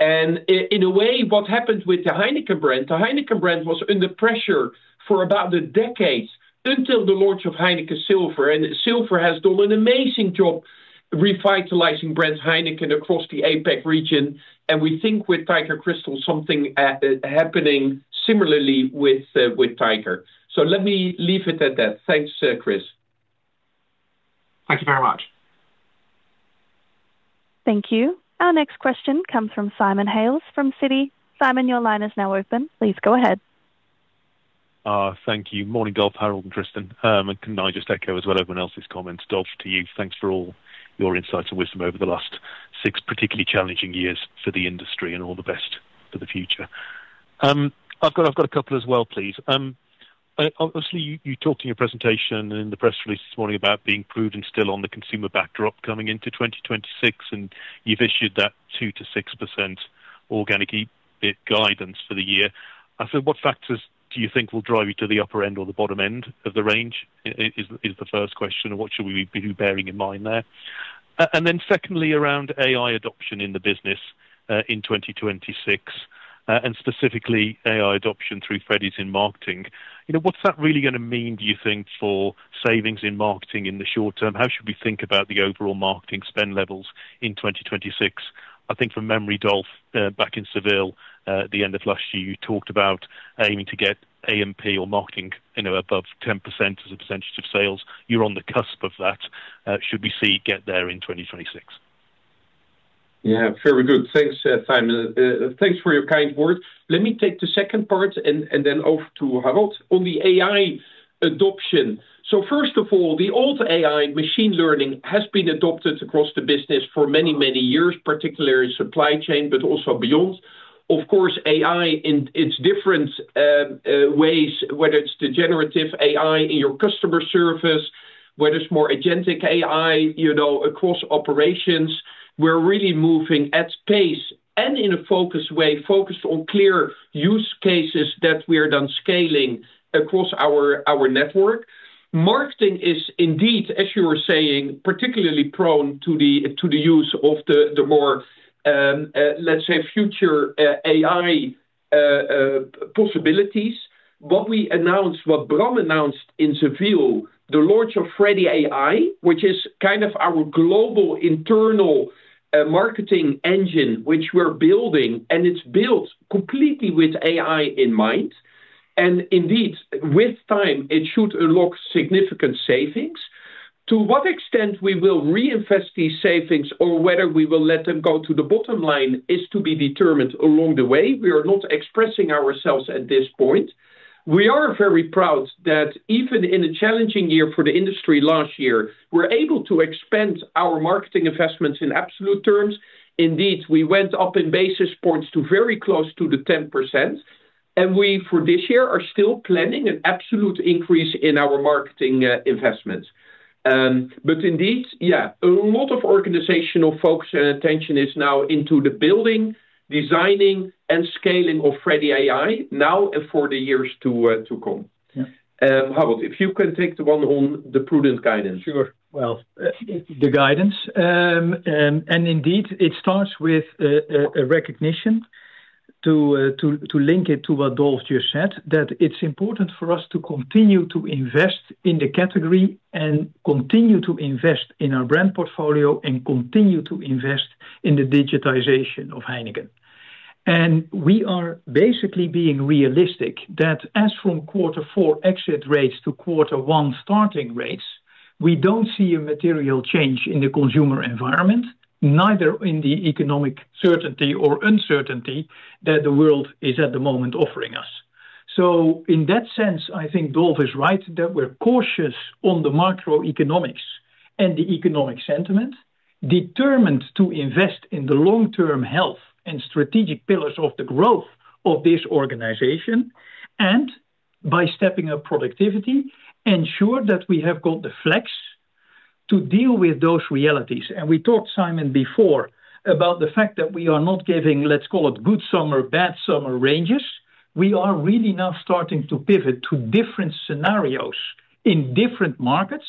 In a way, what happened with the Heineken brand, the Heineken brand was under pressure for about a decade until the launch of Heineken Silver, and Silver has done an amazing job revitalizing brand Heineken across the APAC region, and we think with Tiger Crystal, something happening similarly with Tiger. So let me leave it at that. Thanks, Chris. Thank you very much. Thank you. Our next question comes from Simon Hales, from Citi. Simon, your line is now open. Please go ahead. Thank you. Morning, Dolf, Harold, and Tristan. Can I just echo as well everyone else's comments, Dolf, to you, thanks for all your insights and wisdom over the last six particularly challenging years for the industry, and all the best for the future. I've got a couple as well, please. Obviously, you talked in your presentation and in the press release this morning about being prudent still on the consumer backdrop coming into 2026, and you've issued that 2%-6% organic EBIT guidance for the year. So what factors do you think will drive you to the upper end or the bottom end of the range, is the first question, and what should we be bearing in mind there? And then secondly, around AI adoption in the business, in 2026, and specifically AI adoption through Freddy's in marketing. You know, what's that really gonna mean, do you think, for savings in marketing in the short term? How should we think about the overall marketing spend levels in 2026? I think from memory, Dolf, back in Seville, at the end of last year, you talked about aiming to get AMP or marketing, you know, above 10% as a percentage of sales. You're on the cusp of that. Should we see get there in 2026? Yeah, very good. Thanks, Simon. Thanks for your kind words. Let me take the second part and then over to Harold. On the AI adoption, so first of all, the old AI machine learning has been adopted across the business for many, many years, particularly supply chain, but also beyond. Of course, AI in its different ways, whether it's the generative AI in your customer service, whether it's more agentic AI, you know, across operations, we're really moving at pace and in a focused way, focused on clear use cases that we are done scaling across our network. Marketing is indeed, as you were saying, particularly prone to the use of the more, let's say, future AI possibilities. What we announced, what Bram announced in Seville, the launch of Freddy AI, which is kind of our global internal marketing engine, which we're building, and it's built completely with AI in mind. And indeed, with time, it should unlock significant savings. To what extent we will reinvest these savings or whether we will let them go to the bottom line, is to be determined along the way. We are not expressing ourselves at this point. We are very proud that even in a challenging year for the industry last year, we're able to expand our marketing investments in absolute terms. Indeed, we went up in basis points to very close to the 10%, and we, for this year, are still planning an absolute increase in our marketing investments. But indeed, yeah, a lot of organizational focus and attention is now into the building, designing, and scaling of Freddy AI now and for the years to come. Yeah. Harold, if you could take the one on the prudent guidance. Sure. Well, the guidance, and indeed, it starts with a recognition to link it to what Dolf just said, that it's important for us to continue to invest in the category and continue to invest in our brand portfolio and continue to invest in the digitization of Heineken. And we are basically being realistic that as from quarter four exit rates to quarter one starting rates, we don't see a material change in the consumer environment, neither in the economic certainty or uncertainty that the world is at the moment offering us. So in that sense, I think Dolf is right, that we're cautious on the macroeconomics and the economic sentiment, determined to invest in the long-term health and strategic pillars of the growth of this organization, and by stepping up productivity, ensure that we have got the flex to deal with those realities. And we talked, Simon, before, about the fact that we are not giving, let's call it, good summer, bad summer ranges. We are really now starting to pivot to different scenarios in different markets,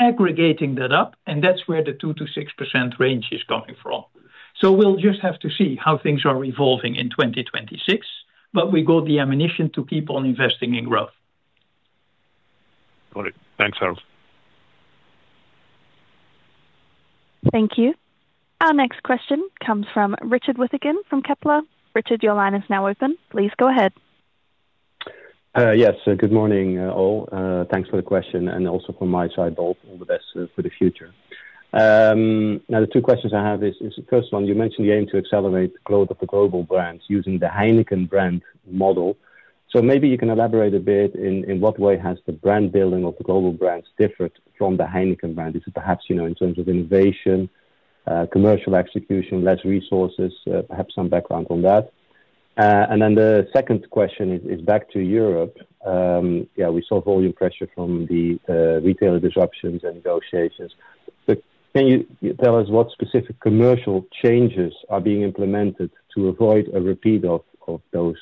aggregating that up, and that's where the 2%-6% range is coming from. So we'll just have to see how things are evolving in 2026, but we got the ammunition to keep on investing in growth. Got it. Thanks, Harold. Thank you. Our next question comes from Richard Withagen from Kepler Cheuvreux. Richard, your line is now open. Please go ahead. Yes, good morning, all. Thanks for the question and also from my side, Dolf, all the best for the future. Now, the two questions I have is, the first one, you mentioned the aim to accelerate the growth of the global brands using the Heineken brand model. So maybe you can elaborate a bit in what way has the brand building of the global brands differed from the Heineken brand? Is it perhaps, you know, in terms of innovation, commercial execution, less resources, perhaps some background on that. And then the second question is back to Europe. Yeah, we saw volume pressure from the retailer disruptions and negotiations. But can you tell us what specific commercial changes are being implemented to avoid a repeat of those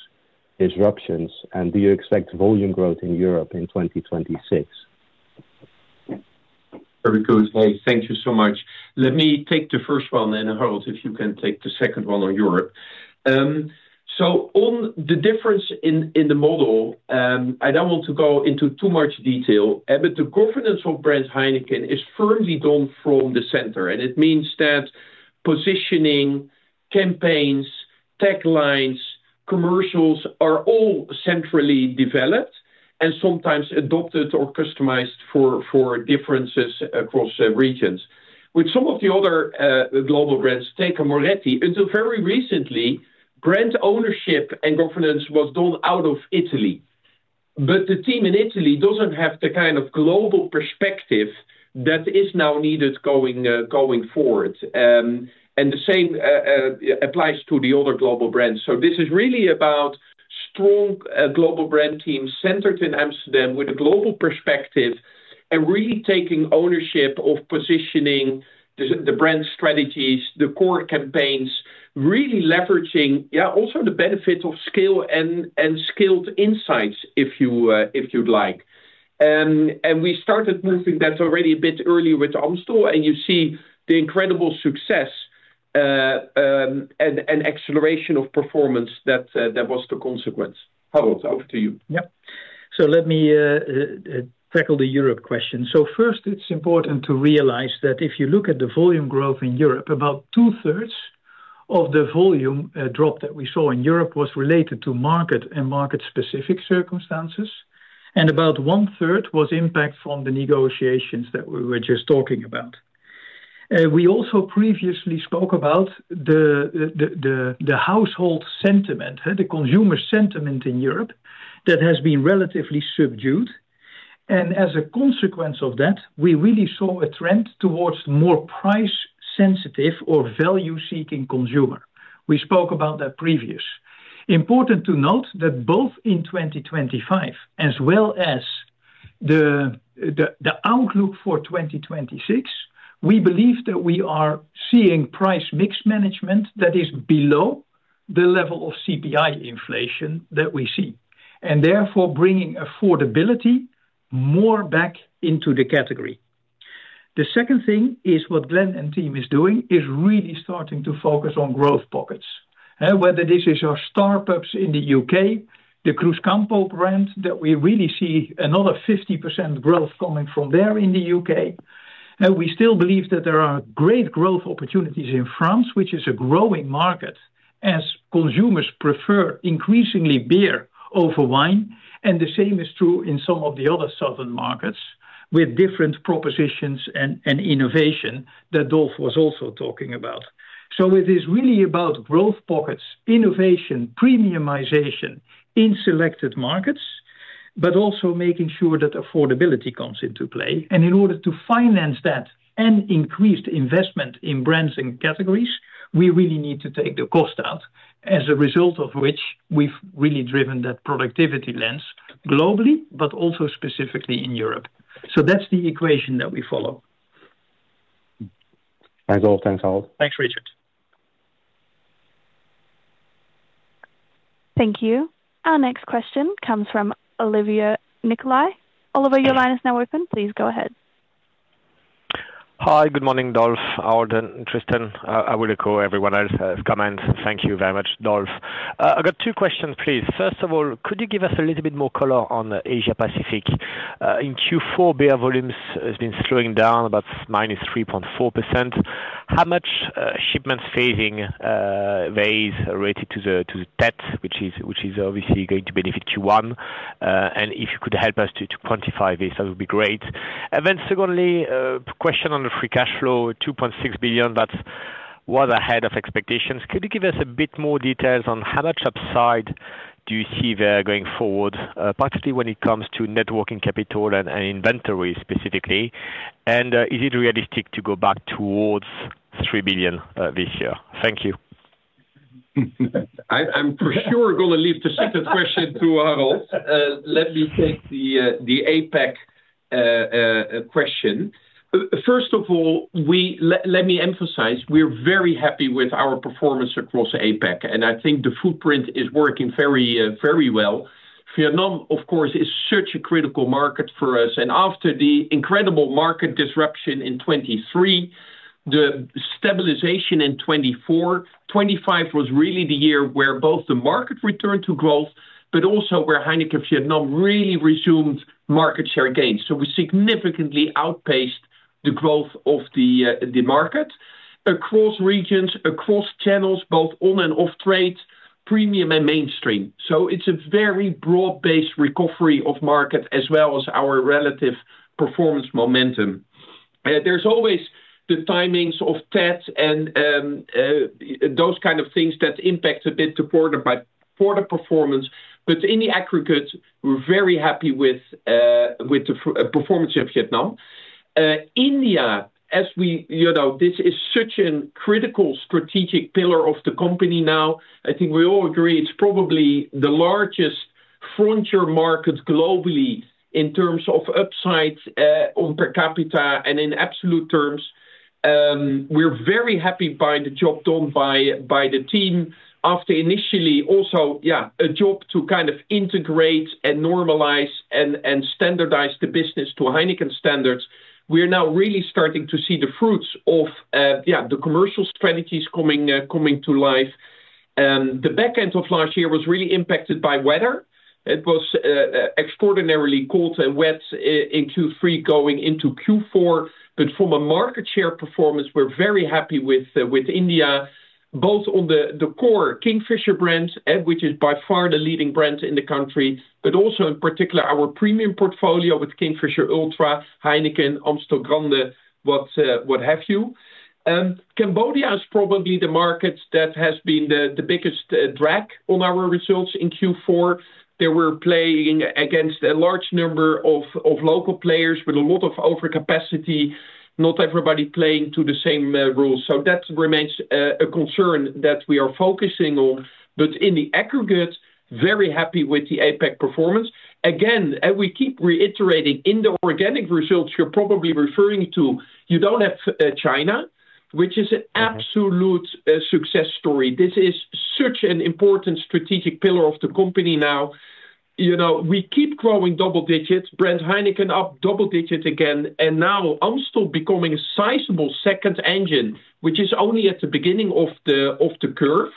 disruptions? Do you expect volume growth in Europe in 2026? Very good. Thank you so much. Let me take the first one, then, Harold, if you can take the second one on Europe. So on the difference in, in the model, I don't want to go into too much detail, but the governance of brand Heineken is firmly done from the center, and it means that positioning, campaigns, taglines, commercials, are all centrally developed and sometimes adopted or customized for, for differences across regions. With some of the other global brands, take Moretti, until very recently, brand ownership and governance was done out of Italy. But the team in Italy doesn't have the kind of global perspective that is now needed going forward. And the same applies to the other global brands. So this is really about strong global brand teams centered in Amsterdam with a global perspective, and really taking ownership of positioning the brand strategies, the core campaigns, really leveraging, yeah, also the benefits of skill and skilled insights, if you'd like. And we started moving that already a bit earlier with Amstel, and you see the incredible success, and acceleration of performance that that was the consequence. Harold, over to you. Yep. So let me tackle the Europe question. So first, it's important to realize that if you look at the volume growth in Europe, about two-thirds of the volume drop that we saw in Europe was related to market and market-specific circumstances, and about one-third was impact from the negotiations that we were just talking about. We also previously spoke about the household sentiment, the consumer sentiment in Europe that has been relatively subdued, and as a consequence of that, we really saw a trend towards more price sensitive or value-seeking consumer. We spoke about that previously. Important to note that both in 2025 as well as the outlook for 2026, we believe that we are seeing price mix management that is below the level of CPI inflation that we see, and therefore bringing affordability more back into the category. The second thing is what Glenn and team is doing, is really starting to focus on growth pockets. Whether this is our Star Pubs in the UK, the Cruzcampo brand, that we really see another 50% growth coming from there in the UK. We still believe that there are great growth opportunities in France, which is a growing market as consumers prefer increasingly beer over wine, and the same is true in some of the other southern markets with different propositions and innovation that Dolf was also talking about. It is really about growth pockets, innovation, premiumization in selected markets, but also making sure that affordability comes into play. In order to finance that and increase the investment in brands and categories, we really need to take the cost out as a result of which we've really driven that productivity lens globally, but also specifically in Europe. That's the equation that we follow. Thanks, Dolf. Thanks, Harold. Thanks, Richard. Thank you. Our next question comes from Olivier Nicolai. Olivier, your line is now open. Please go ahead. Hi. Good morning, Dolf, Harold, and Tristan. I would echo everyone else's comments. Thank you very much, Dolf. I've got two questions, please. First of all, could you give us a little bit more color on the Asia Pacific? In Q4, beer volumes has been slowing down about -3.4%. How much shipments phasing may is related to the, to the Tet, which is, which is obviously going to benefit Q1, and if you could help us to, to quantify this, that would be great. And then secondly, question on the free cash flow, 2.6 billion, that was ahead of expectations. Could you give us a bit more details on how much upside do you see there going forward, particularly when it comes to working capital and, and inventory specifically? Is it realistic to go back towards 3 billion this year? Thank you. I'm for sure gonna leave the second question to Harold. Let me take the APAC question. First of all, let me emphasize, we're very happy with our performance across APAC, and I think the footprint is working very, very well. Vietnam, of course, is such a critical market for us, and after the incredible market disruption in 2023, the stabilization in 2024, 2025 was really the year where both the market returned to growth, but also where Heineken Vietnam really resumed market share gains. So we significantly outpaced the growth of the market across regions, across channels, both on and off trade, premium and mainstream. So it's a very broad-based recovery of market as well as our relative performance momentum. There's always the timings of Tet and those kind of things that impact a bit to quarter by quarter performance. But in the aggregate, we're very happy with the performance of Vietnam. India, as we you know, this is such a critical strategic pillar of the company now. I think we all agree it's probably the largest frontier market globally in terms of upsides on per capita and in absolute terms. We're very happy by the job done by the team after initially also, yeah, a job to kind of integrate and normalize and standardize the business to Heineken standards. We are now really starting to see the fruits of yeah, the commercial strategies coming to life. The back end of last year was really impacted by weather. It was extraordinarily cold and wet in Q3 going into Q4. But from a market share performance, we're very happy with India, both on the core Kingfisher brands, which is by far the leading brand in the country, but also in particular, our premium portfolio with Kingfisher Ultra, Heineken, Amstel Grande, what have you. Cambodia is probably the market that has been the biggest drag on our results in Q4. They were playing against a large number of local players with a lot of overcapacity, not everybody playing to the same rules. So that remains a concern that we are focusing on. But in the aggregate, very happy with the APAC performance. Again, and we keep reiterating, in the organic results you're probably referring to, you don't have China, which is an absolute success story. This is such an important strategic pillar of the company now. You know, we keep growing double digits, brand Heineken up double digits again, and now Amstel becoming a sizable second engine, which is only at the beginning of the curve.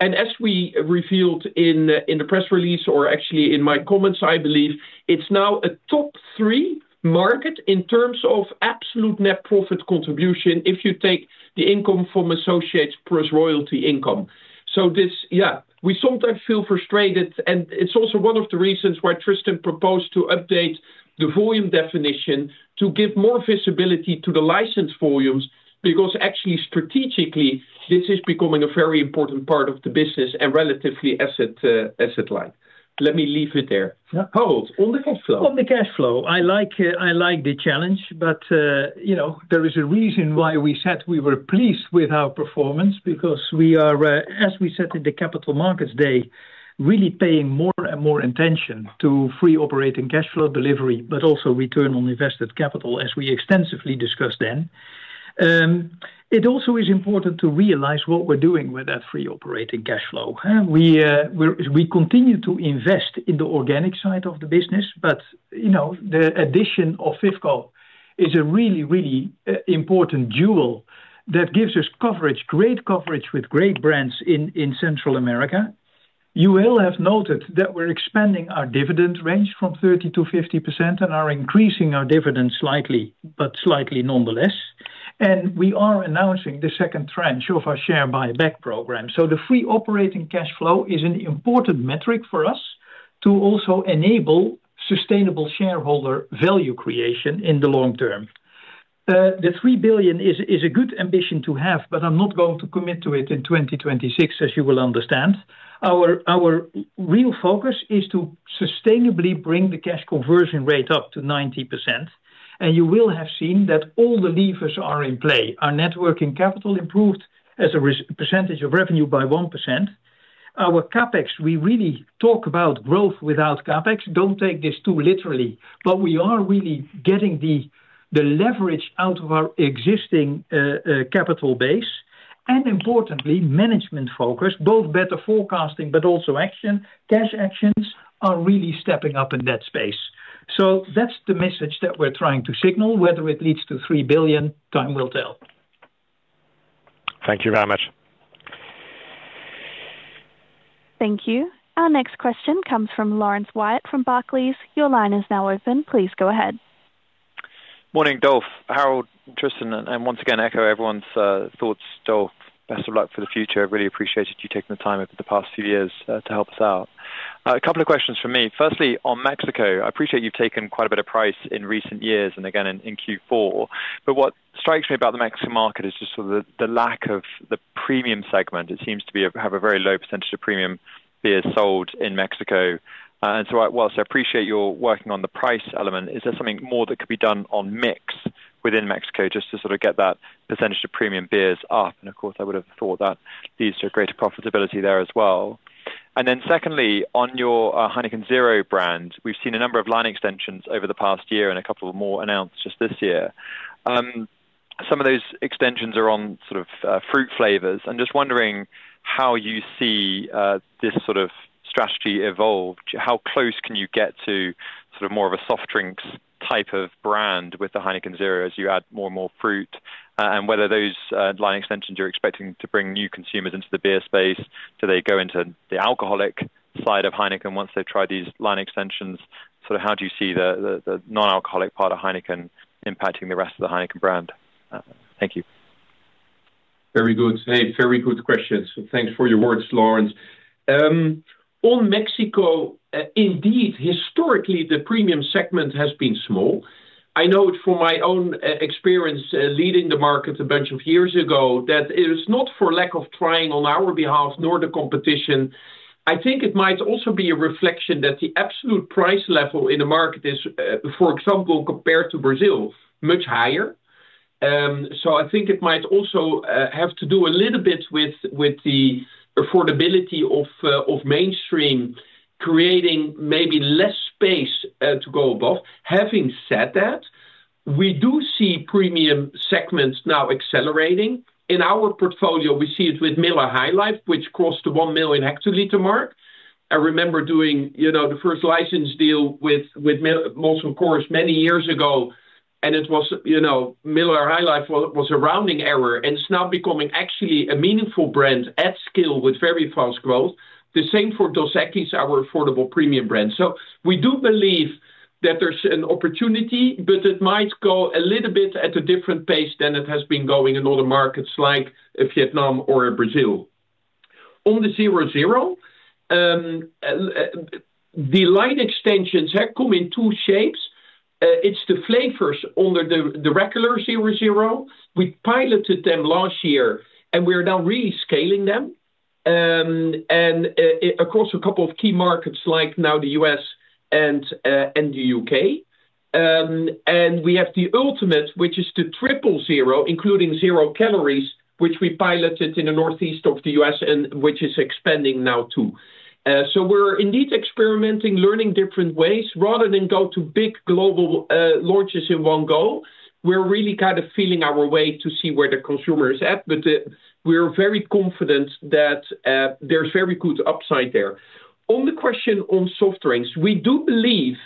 And as we revealed in the press release, or actually in my comments, I believe, it's now a top three market in terms of absolute net profit contribution, if you take the income from associates plus royalty income. So this... Yeah, we sometimes feel frustrated, and it's also one of the reasons why Tristan proposed to update the volume definition to give more visibility to the licensed volumes. Because actually, strategically, this is becoming a very important part of the business and relatively asset light. Let me leave it there. Harold, on the cash flow. On the cash flow. I like, I like the challenge, but, you know, there is a reason why we said we were pleased with our performance, because we are, as we said in the Capital Markets Day, really paying more and more attention to free operating cash flow delivery, but also return on invested capital, as we extensively discussed then. It also is important to realize what we're doing with that free operating cash flow. We continue to invest in the organic side of the business, but, you know, the addition of FIFCO is a really, really, important jewel that gives us coverage, great coverage with great brands in Central America. You will have noted that we're expanding our dividend range from 30%-50% and are increasing our dividend slightly, but slightly nonetheless, and we are announcing the second tranche of our share buyback program. So the free operating cash flow is an important metric for us to also enable sustainable shareholder value creation in the long term. The three billion is a good ambition to have, but I'm not going to commit to it in 2026, as you will understand. Our real focus is to sustainably bring the cash conversion rate up to 90%, and you will have seen that all the levers are in play. Our net working capital improved as a percentage of revenue by 1%. Our CapEx, we really talk about growth without CapEx. Don't take this too literally, but we are really getting the leverage out of our existing capital base, and importantly, management focus, both better forecasting, but also action. Cash actions are really stepping up in that space. So that's the message that we're trying to signal. Whether it leads to 3 billion, time will tell. Thank you very much. Thank you. Our next question comes from Laurence Whyatt from Barclays. Your line is now open. Please go ahead. Morning, Dolf, Harold, Tristan, and once again, echo everyone's thoughts. Dolf, best of luck for the future. I've really appreciated you taking the time over the past few years to help us out. A couple of questions from me. Firstly, on Mexico, I appreciate you've taken quite a bit of price in recent years and again in Q4, but what strikes me about the Mexican market is just sort of the lack of the premium segment. It seems to have a very low percentage of premium beers sold in Mexico. And so I, while I appreciate you're working on the price element, is there something more that could be done on mix within Mexico just to sort of get that percentage of premium beers up? And of course, I would have thought that leads to greater profitability there as well. Then secondly, on your Heineken Zero brand, we've seen a number of line extensions over the past year and a couple more announced just this year. Some of those extensions are on sort of fruit flavors. I'm just wondering how you see this sort of strategy evolve. How close can you get to sort of more of a soft drinks type of brand with the Heineken Zero as you add more and more fruit, and whether those line extensions you're expecting to bring new consumers into the beer space? Do they go into the alcoholic side of Heineken once they've tried these line extensions? So how do you see the non-alcoholic part of Heineken impacting the rest of the Heineken brand? Thank you. Very good. Very good questions. So thanks for your words, Laurence. On Mexico, indeed, historically, the premium segment has been small. I know it from my own experience, leading the market a bunch of years ago, that it is not for lack of trying on our behalf, nor the competition. I think it might also be a reflection that the absolute price level in the market is, for example, compared to Brazil, much higher. So I think it might also have to do a little bit with the affordability of mainstream, creating maybe less space to go above. Having said that, we do see premium segments now accelerating. In our portfolio, we see it with Miller High Life, which crossed the 1 million hectoliter mark. I remember doing, you know, the first license deal with MillerCoors many years ago, and it was, you know, Miller High Life was a rounding error, and it's now becoming actually a meaningful brand at scale with very fast growth. The same for Dos Equis, our affordable premium brand. So we do believe that there's an opportunity, but it might go a little bit at a different pace than it has been going in other markets like Vietnam or Brazil.... On the 0.0, the line extensions that come in two shapes, it's the flavors under the, the regular 0.0. We piloted them last year, and we're now rescaling them. And across a couple of key markets, like now the U.S. and the U.K. And we have the Ultimate, which is the triple zero, including zero calories, which we piloted in the northeast of the US and which is expanding now, too. So we're indeed experimenting, learning different ways. Rather than go to big global launches in one go, we're really kind of feeling our way to see where the consumer is at, but we're very confident that there's very good upside there. On the question on soft drinks, we do believe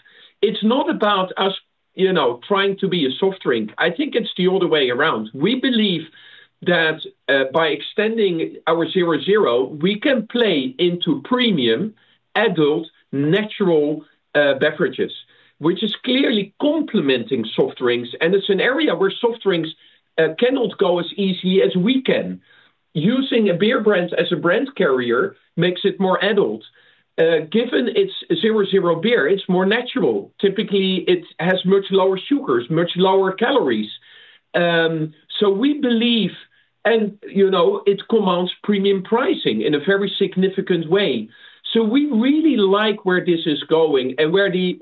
it's not about us, you know, trying to be a soft drink. I think it's the other way around. We believe that by extending our 0.0, we can play into premium adult natural beverages, which is clearly complementing soft drinks, and it's an area where soft drinks cannot go as easy as we can. Using a beer brand as a brand carrier makes it more adult. Given it's 0.0 beer, it's more natural. Typically, it has much lower sugars, much lower calories. So we believe... and, you know, it commands premium pricing in a very significant way. So we really like where this is going. And where the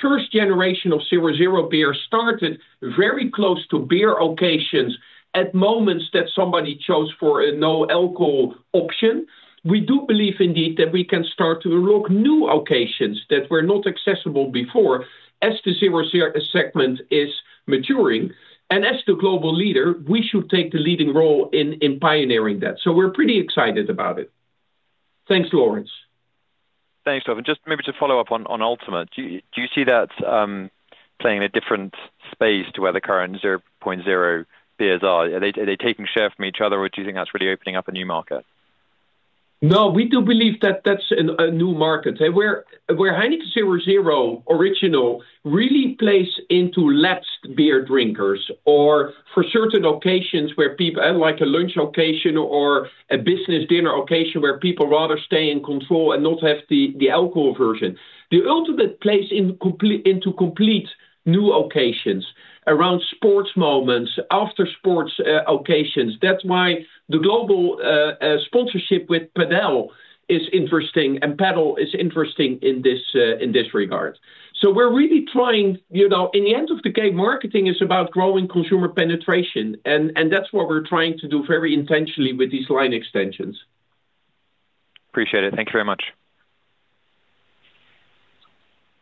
first generation of 0.0 beer started very close to beer occasions, at moments that somebody chose for a no-alcohol option, we do believe indeed, that we can start to unlock new occasions that were not accessible before as the 0.0 segment is maturing. And as the global leader, we should take the leading role in pioneering that. So we're pretty excited about it. Thanks, Laurence. Thanks, Dolf. Just maybe to follow up on Ultimate. Do you see that playing a different space to where the current zero point zero beers are? Are they taking share from each other, or do you think that's really opening up a new market? No, we do believe that that's a new market. And where Heineken 0.0 original really plays into lapsed beer drinkers, or for certain occasions where people... Unlike a lunch occasion or a business dinner occasion where people rather stay in control and not have the alcohol version. The Ultimate plays into complete new occasions around sports moments, after sports occasions. That's why the global sponsorship with Padel is interesting, and Padel is interesting in this regard. So we're really trying, you know, in the end of the day, marketing is about growing consumer penetration, and that's what we're trying to do very intentionally with these line extensions. Appreciate it. Thank you very much.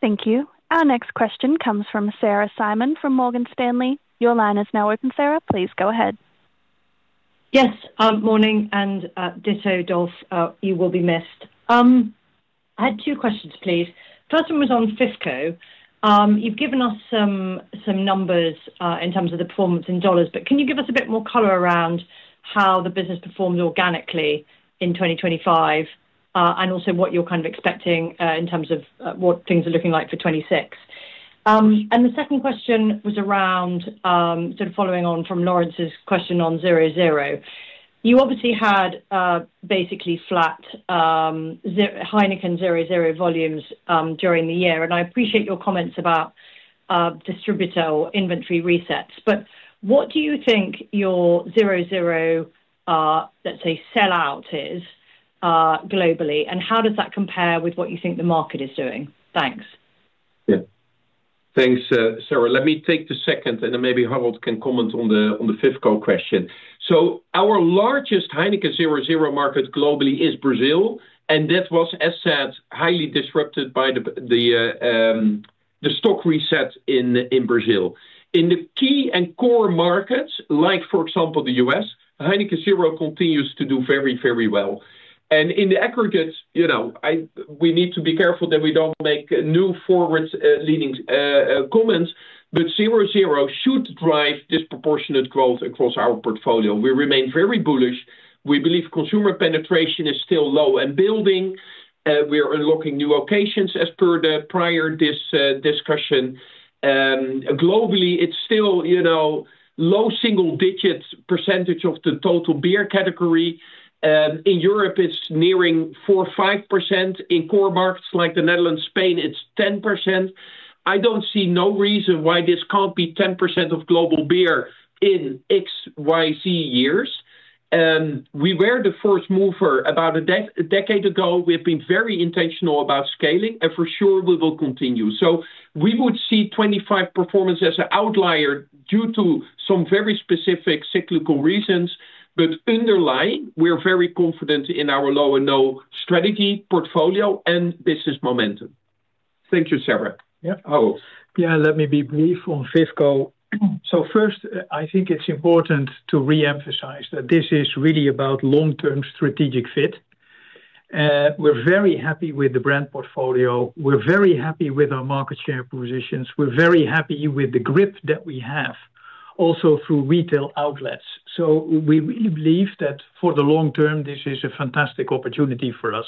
Thank you. Our next question comes from Sarah Simon, from Morgan Stanley. Your line is now open, Sarah. Please, go ahead. Yes, morning, and ditto, Dolf, you will be missed. I had two questions, please. First one was on FIFCO. You've given us some numbers in terms of the performance in dollars, but can you give us a bit more color around how the business performed organically in 2025? And also what you're kind of expecting in terms of what things are looking like for 2026. And the second question was around sort of following on from Laurence's question on 0.0. You obviously had basically flat Heineken 0.0 volumes during the year, and I appreciate your comments about distributor or inventory resets. But what do you think your 0.0 sell-out is globally, and how does that compare with what you think the market is doing? Thanks. Yeah. Thanks, Sarah. Let me take the second, and then maybe Harold can comment on the FIFCO question. So our largest Heineken 0.0 market globally is Brazil, and that was, as said, highly disrupted by the stock reset in Brazil. In the key and core markets, like, for example, the U.S., Heineken Zero continues to do very, very well. And in the aggregate, you know, we need to be careful that we don't make new forward leading comments, but 0.0 should drive disproportionate growth across our portfolio. We remain very bullish. We believe consumer penetration is still low and building. We are unlocking new occasions as per the prior discussion. Globally, it's still, you know, low single digits % of the total beer category. In Europe, it's nearing 4-5%. In core markets like the Netherlands, Spain, it's 10%. I don't see no reason why this can't be 10% of global beer in XYZ years. We were the first mover about a decade ago. We've been very intentional about scaling, and for sure, we will continue. So we would see 25 performance as an outlier due to some very specific cyclical reasons, but underlying, we're very confident in our low and no strategy, portfolio, and business momentum. Thank you, Sarah. Yeah. Oh. Yeah, let me be brief on FIFCO. So first, I think it's important to reemphasize that this is really about long-term strategic fit. We're very happy with the brand portfolio. We're very happy with our market share positions. We're very happy with the grip that we have, also through retail outlets. So we really believe that for the long term, this is a fantastic opportunity for us.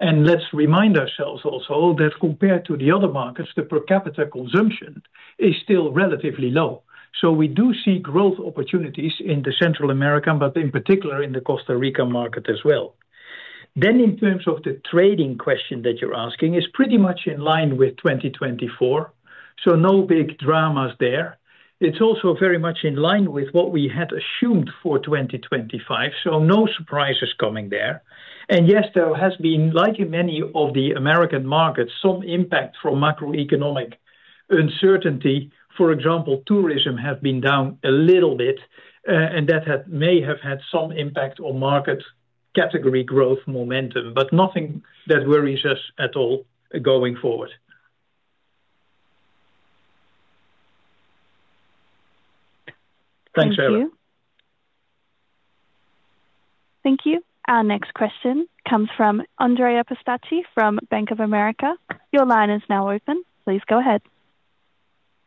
And let's remind ourselves also that compared to the other markets, the per capita consumption is still relatively low. So we do see growth opportunities in Central America, but in particular in the Costa Rica market as well. Then, in terms of the trading question that you're asking, is pretty much in line with 2024. So no big dramas there. It's also very much in line with what we had assumed for 2025, so no surprises coming there. And yes, there has been, like in many of the American markets, some impact from macroeconomic uncertainty. For example, tourism has been down a little bit, and that may have had some impact on market category growth momentum, but nothing that worries us at all going forward. Thanks, Sarah. Thank you. Thank you. Our next question comes from Andrea Pistacchi from Bank of America. Your line is now open. Please go ahead.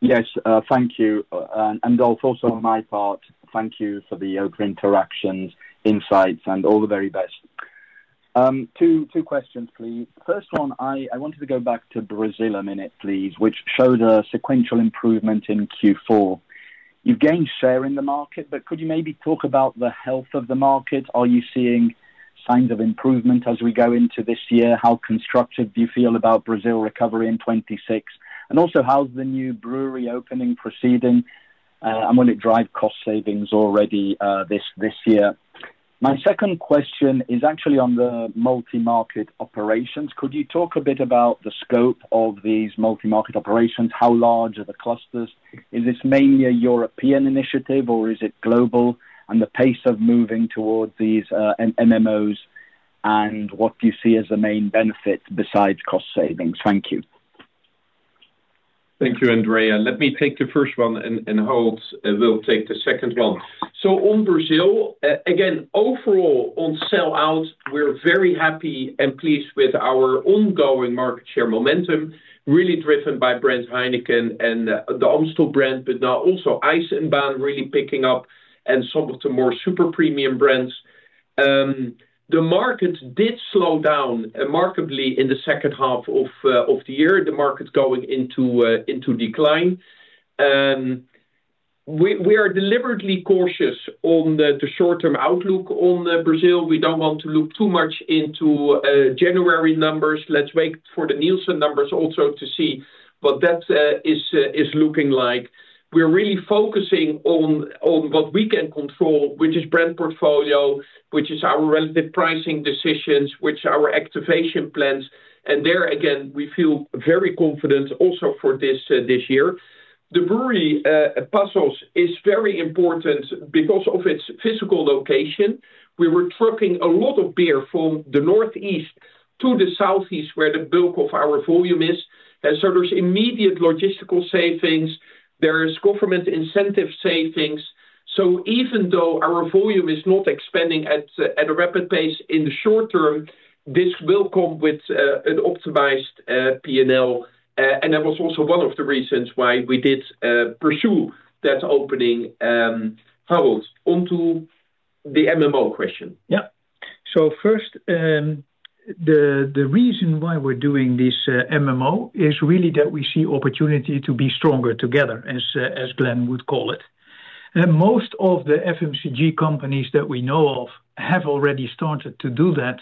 Yes, thank you. And also also on my part, thank you for the interactions, insights, and all the very best. Two, two questions, please. First one, I wanted to go back to Brazil a minute, please, which showed a sequential improvement in Q4. You've gained share in the market, but could you maybe talk about the health of the market? Are you seeing signs of improvement as we go into this year? How constructive do you feel about Brazil recovery in 2026? And also, how's the new brewery opening proceeding, and will it drive cost savings already, this year? My second question is actually on the multi-market operations. Could you talk a bit about the scope of these multi-market operations? How large are the clusters? Is this mainly a European initiative, or is it global, and the pace of moving towards these, MMOs, and what do you see as the main benefit besides cost savings? Thank you. Thank you, Andrea. Let me take the first one, and Harold will take the second one. So on Brazil, again, overall, on sell out, we're very happy and pleased with our ongoing market share momentum, really driven by brand Heineken and the Amstel brand, but now also Eisenbahn really picking up and some of the more super premium brands. The market did slow down remarkably in the second half of the year, the market going into decline. We are deliberately cautious on the short-term outlook on Brazil. We don't want to look too much into January numbers. Let's wait for the Nielsen numbers also to see what that is looking like. We're really focusing on what we can control, which is brand portfolio, which is our relative pricing decisions, which our activation plans. And there, again, we feel very confident also for this, this year. The brewery, Passos, is very important because of its physical location. We were trucking a lot of beer from the northeast to the southeast, where the bulk of our volume is. So there's immediate logistical savings, there is government incentive savings. So even though our volume is not expanding at, at a rapid pace in the short term, this will come with, an optimized, P&L. And that was also one of the reasons why we did, pursue that opening. Harold, onto the MMO question. Yeah. So first, the reason why we're doing this MMO is really that we see opportunity to be stronger together, as Glenn would call it. Most of the FMCG companies that we know of have already started to do that,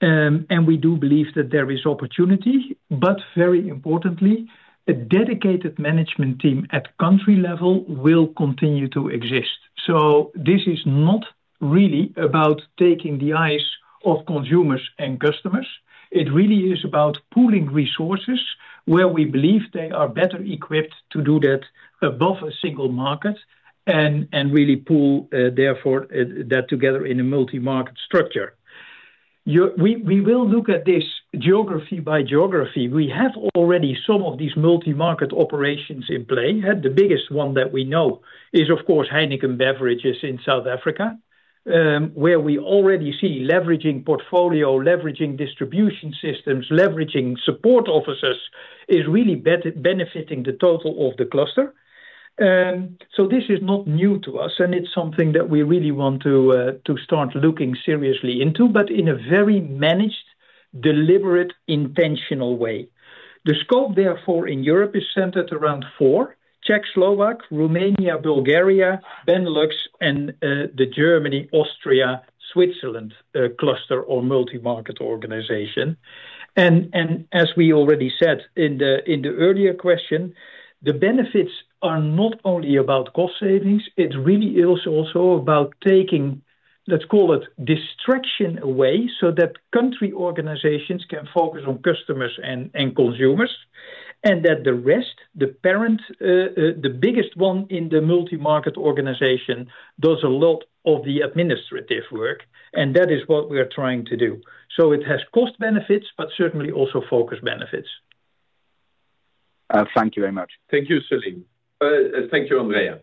and we do believe that there is opportunity, but very importantly, a dedicated management team at country level will continue to exist. So this is not really about taking the eyes of consumers and customers. It really is about pooling resources where we believe they are better equipped to do that above a single market and really pool therefore that together in a multi-market structure. We will look at this geography by geography. We have already some of these multi-market operations in play, and the biggest one that we know is, of course, Heineken Beverages in South Africa, where we already see leveraging portfolio, leveraging distribution systems, leveraging support offices, is really benefiting the total of the cluster. This is not new to us, and it's something that we really want to to start looking seriously into, but in a very managed, deliberate, intentional way. The scope, therefore, in Europe is centered around four: Czech-Slovak, Romania, Bulgaria, Benelux, and the Germany, Austria, Switzerland cluster or multi-market organization. As we already said in the earlier question, the benefits are not only about cost savings, it's really is also about taking, let's call it, distraction away so that country organizations can focus on customers and consumers, and that the rest, the parent, the biggest one in the multi-market organization, does a lot of the administrative work, and that is what we are trying to do. So it has cost benefits, but certainly also focus benefits. Thank you very much. Thank you, Celine. Thank you, Andrea.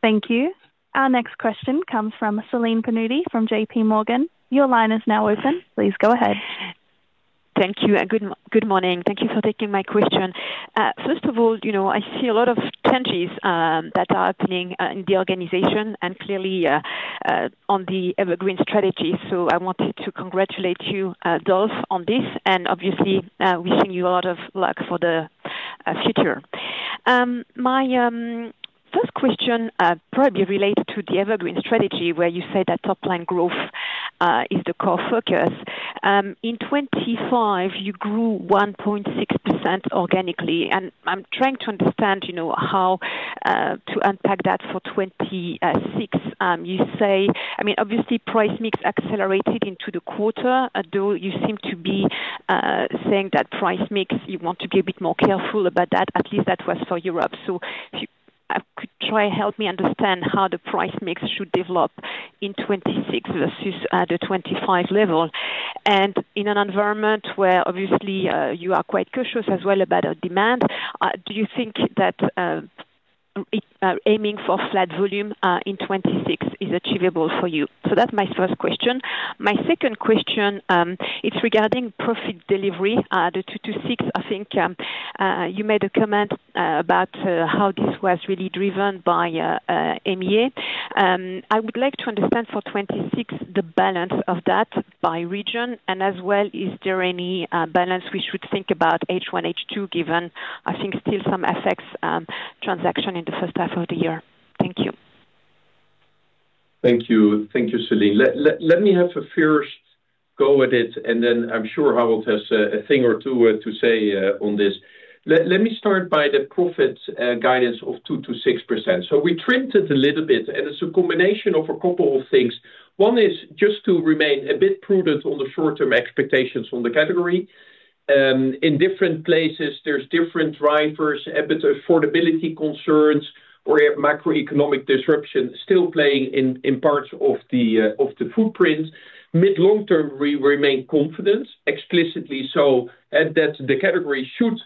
Thank you. Our next question comes from Celine Pannuti from J.P. Morgan. Your line is now open. Please go ahead. ... Thank you, and good morning. Thank you for taking my question. First of all, you know, I see a lot of changes that are happening in the organization and clearly on the evergreen strategy. So I wanted to congratulate you, Dolf, on this, and obviously wishing you a lot of luck for the future. My first question probably related to the evergreen strategy, where you say that top-line growth is the core focus. In 2025, you grew 1.6% organically, and I'm trying to understand, you know, how to unpack that for 2026. You say, I mean, obviously, price mix accelerated into the quarter, although you seem to be saying that price mix, you want to be a bit more careful about that, at least that was for Europe. So if you could try to help me understand how the price mix should develop in 2026 versus at a 2025 level, and in an environment where obviously you are quite cautious as well about our demand, do you think that aiming for flat volume in 2026 is achievable for you? So that's my first question. My second question is regarding profit delivery, the 2-6. I think you made a comment about how this was really driven by MEA. I would like to understand for 26, the balance of that by region and as well, is there any balance we should think about H1, H2, given, I think, still some effects, transaction in the first half of the year? Thank you. Thank you. Thank you, Celine. Let me have a first go at it, and then I'm sure Harold has a thing or two to say on this. Let me start by the profit guidance of 2%-6%. So we trimmed it a little bit, and it's a combination of a couple of things. One is just to remain a bit prudent on the short-term expectations on the category. In different places, there's different drivers, affordability concerns, or macroeconomic disruption still playing in parts of the footprint. Mid- to long-term, we remain confident, explicitly so, and that the category should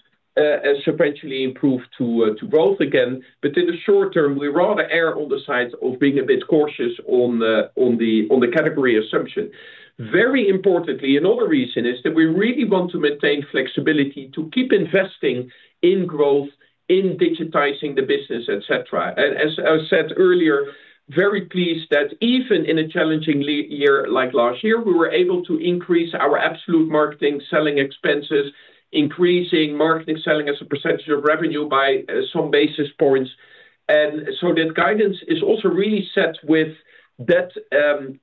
sequentially improve to growth again. But in the short term, we rather err on the sides of being a bit cautious on the category assumption. Very importantly, another reason is that we really want to maintain flexibility to keep investing in growth, in digitizing the business, et cetera. As I said earlier, very pleased that even in a challenging year, like last year, we were able to increase our absolute marketing, selling expenses, increasing marketing, selling as a percentage of revenue by some basis points. So that guidance is also really set with that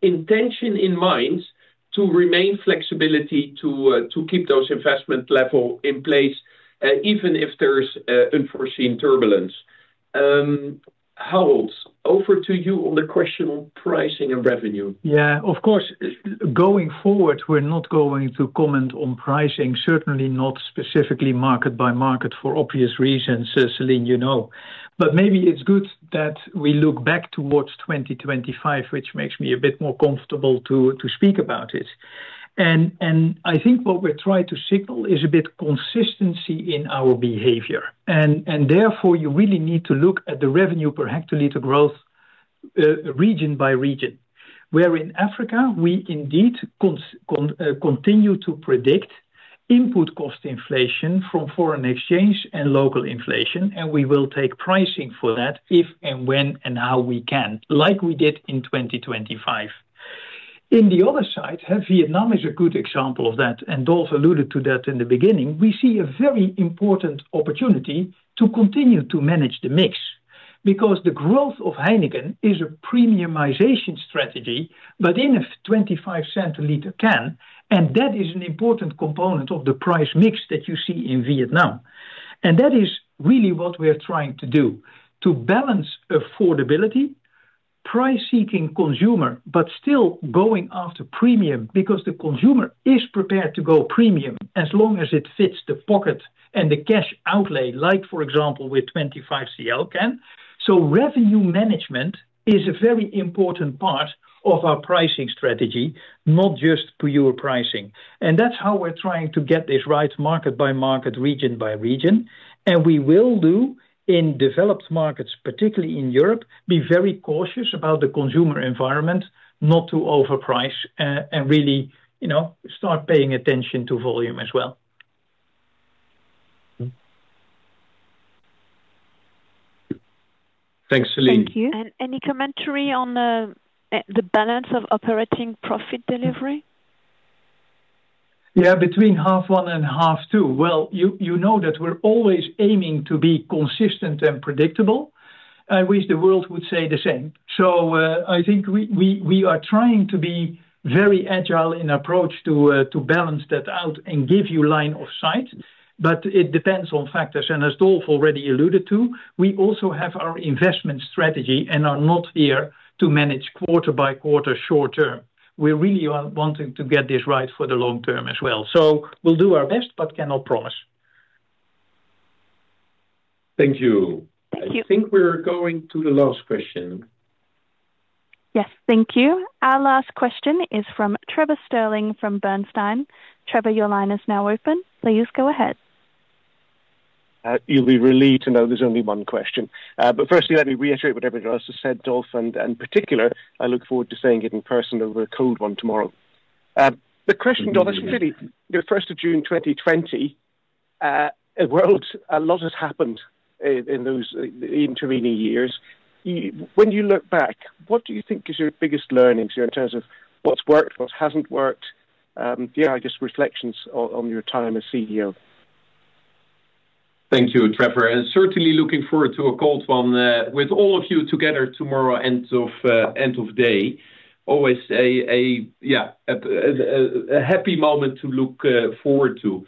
intention in mind to remain flexibility to keep those investment level in place, even if there's unforeseen turbulence. Harold, over to you on the question on pricing and revenue. Yeah, of course. Going forward, we're not going to comment on pricing, certainly not specifically market by market, for obvious reasons, Celine, you know. But maybe it's good that we look back towards 2025, which makes me a bit more comfortable to speak about it. And I think what we're trying to signal is a bit consistency in our behavior, and therefore, you really need to look at the revenue per hectoliter growth, region by region, where in Africa, we indeed continue to predict input cost inflation from foreign exchange and local inflation, and we will take pricing for that if, and when, and how we can, like we did in 2025. In the other side, Vietnam is a good example of that, and Dolf alluded to that in the beginning. We see a very important opportunity to continue to manage the mix, because the growth of Heineken is a premiumization strategy, but in a 25 centiliter can, and that is an important component of the price mix that you see in Vietnam. That is really what we are trying to do, to balance affordability, price-seeking consumer, but still going after premium, because the consumer is prepared to go premium as long as it fits the pocket and the cash outlay, like, for example, with 25 CL can. Revenue management is a very important part of our pricing strategy, not just pure pricing. That's how we're trying to get this right, market by market, region by region. We will do in developed markets, particularly in Europe, be very cautious about the consumer environment, not to overprice, and really, you know, start paying attention to volume as well. Thanks, Celine. Thank you. Any commentary on the balance of operating profit delivery? Yeah, between half one and half two. Well, you know that we're always aiming to be consistent and predictable. I wish the world would say the same. So, I think we are trying to be very agile in approach to balance that out and give you line of sight, but it depends on factors. And as Dolf already alluded to, we also have our investment strategy and are not here to manage quarter by quarter short term. We're really wanting to get this right for the long term as well. So we'll do our best, but cannot promise. Thank you. Thank you. I think we're going to the last question. Yes, thank you. Our last question is from Trevor Stirling, from AllianceBernstein. Trevor, your line is now open. Please, go ahead. ... You'll be relieved to know there's only one question. But firstly, let me reiterate what everyone else has said, Dolf, and, and in particular, I look forward to saying it in person over a cold one tomorrow. The question, Dolf, is really, the first of June 2020, a world, a lot has happened in, in those intervening years. When you look back, what do you think is your biggest learnings in terms of what's worked, what hasn't worked? Yeah, just reflections on, on your time as CEO. Thank you, Trevor, and certainly looking forward to a cold one with all of you together tomorrow, end of day. Always a happy moment to look forward to.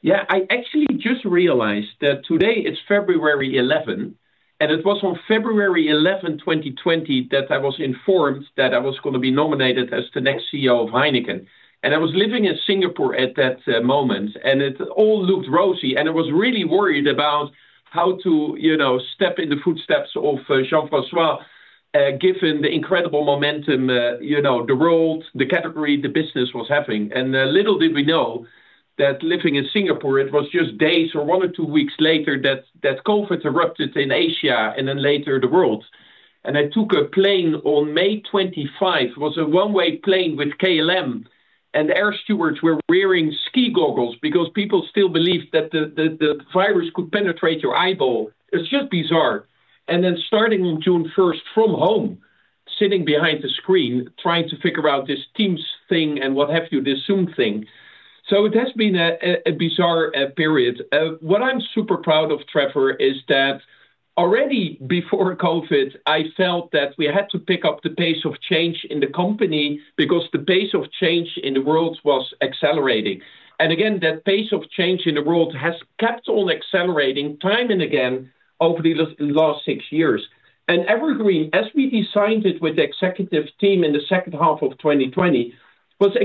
Yeah, I actually just realized that today it's February eleventh, and it was on February eleventh, 2020, that I was informed that I was gonna be nominated as the next CEO of Heineken. And I was living in Singapore at that moment, and it all looked rosy, and I was really worried about how to, you know, step in the footsteps of Jean-François, given the incredible momentum, you know, the world, the category, the business was having. Little did we know that living in Singapore, it was just days or one or two weeks later, that COVID erupted in Asia and then later the world. I took a plane on May 25. It was a one-way plane with KLM, and the air stewards were wearing ski goggles because people still believed that the virus could penetrate your eyeball. It's just bizarre. Then starting on June 1 from home, sitting behind the screen, trying to figure out this Teams thing and what have you, this Zoom thing. So it has been a bizarre period. What I'm super proud of, Trevor, is that already before COVID, I felt that we had to pick up the pace of change in the company because the pace of change in the world was accelerating. Again, that pace of change in the world has kept on accelerating time and again over the last six years. Evergreen, as we designed it with the executive team in the second half of 2020, was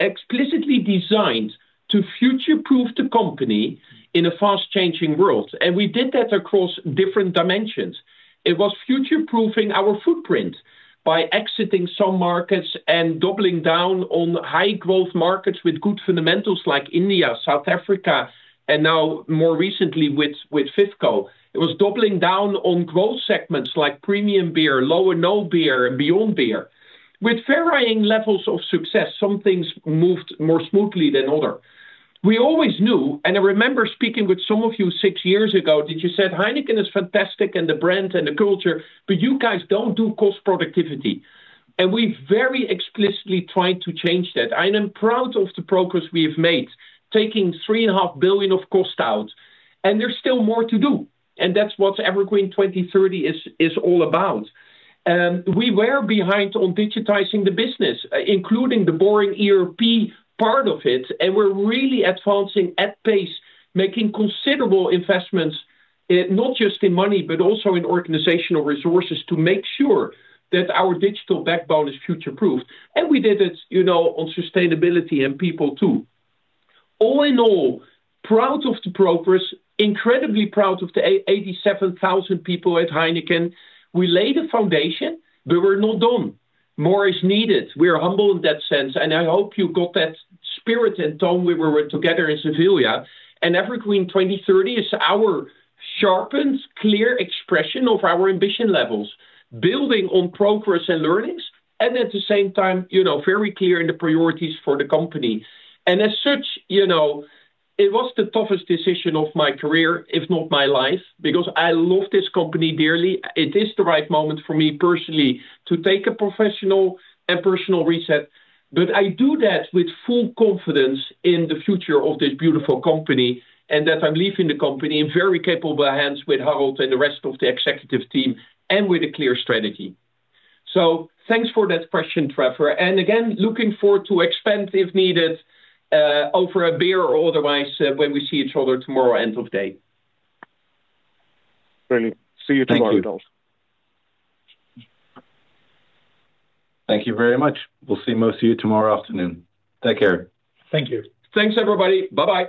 explicitly designed to future-proof the company in a fast-changing world, and we did that across different dimensions. It was future-proofing our footprint by exiting some markets and doubling down on high-growth markets with good fundamentals like India, South Africa, and now more recently with FIFCO. It was doubling down on growth segments like premium beer, low and no beer, and beyond beer. With varying levels of success, some things moved more smoothly than other. We always knew, and I remember speaking with some of you six years ago, that you said, "Heineken is fantastic and the brand and the culture, but you guys don't do cost productivity." And we've very explicitly tried to change that. I am proud of the progress we have made, taking 3.5 billion of cost out, and there's still more to do, and that's what Evergreen 2030 is, is all about. We were behind on digitizing the business, including the boring ERP part of it, and we're really advancing at pace, making considerable investments, not just in money, but also in organizational resources, to make sure that our digital backbone is future-proof. And we did it, you know, on sustainability and people, too. All in all, proud of the progress, incredibly proud of the 87,000 people at Heineken. We laid the foundation, but we're not done. More is needed. We are humble in that sense, and I hope you got that spirit and tone when we were together in Seville. Evergreen 2030 is our sharpened, clear expression of our ambition levels, building on progress and learnings, and at the same time, you know, very clear in the priorities for the company. As such, you know, it was the toughest decision of my career, if not my life, because I love this company dearly. It is the right moment for me personally to take a professional and personal reset, but I do that with full confidence in the future of this beautiful company, and that I'm leaving the company in very capable hands with Harold and the rest of the executive team, and with a clear strategy. So thanks for that question, Trevor, and again, looking forward to expansive needs over a beer or otherwise, when we see each other tomorrow, end of day. Brilliant. See you tomorrow, Dolf. Thank you. Thank you very much. We'll see most of you tomorrow afternoon. Take care. Thank you. Thanks, everybody. Bye-bye.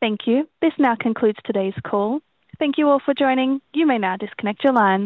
Thank you. This now concludes today's call. Thank you all for joining. You may now disconnect your lines.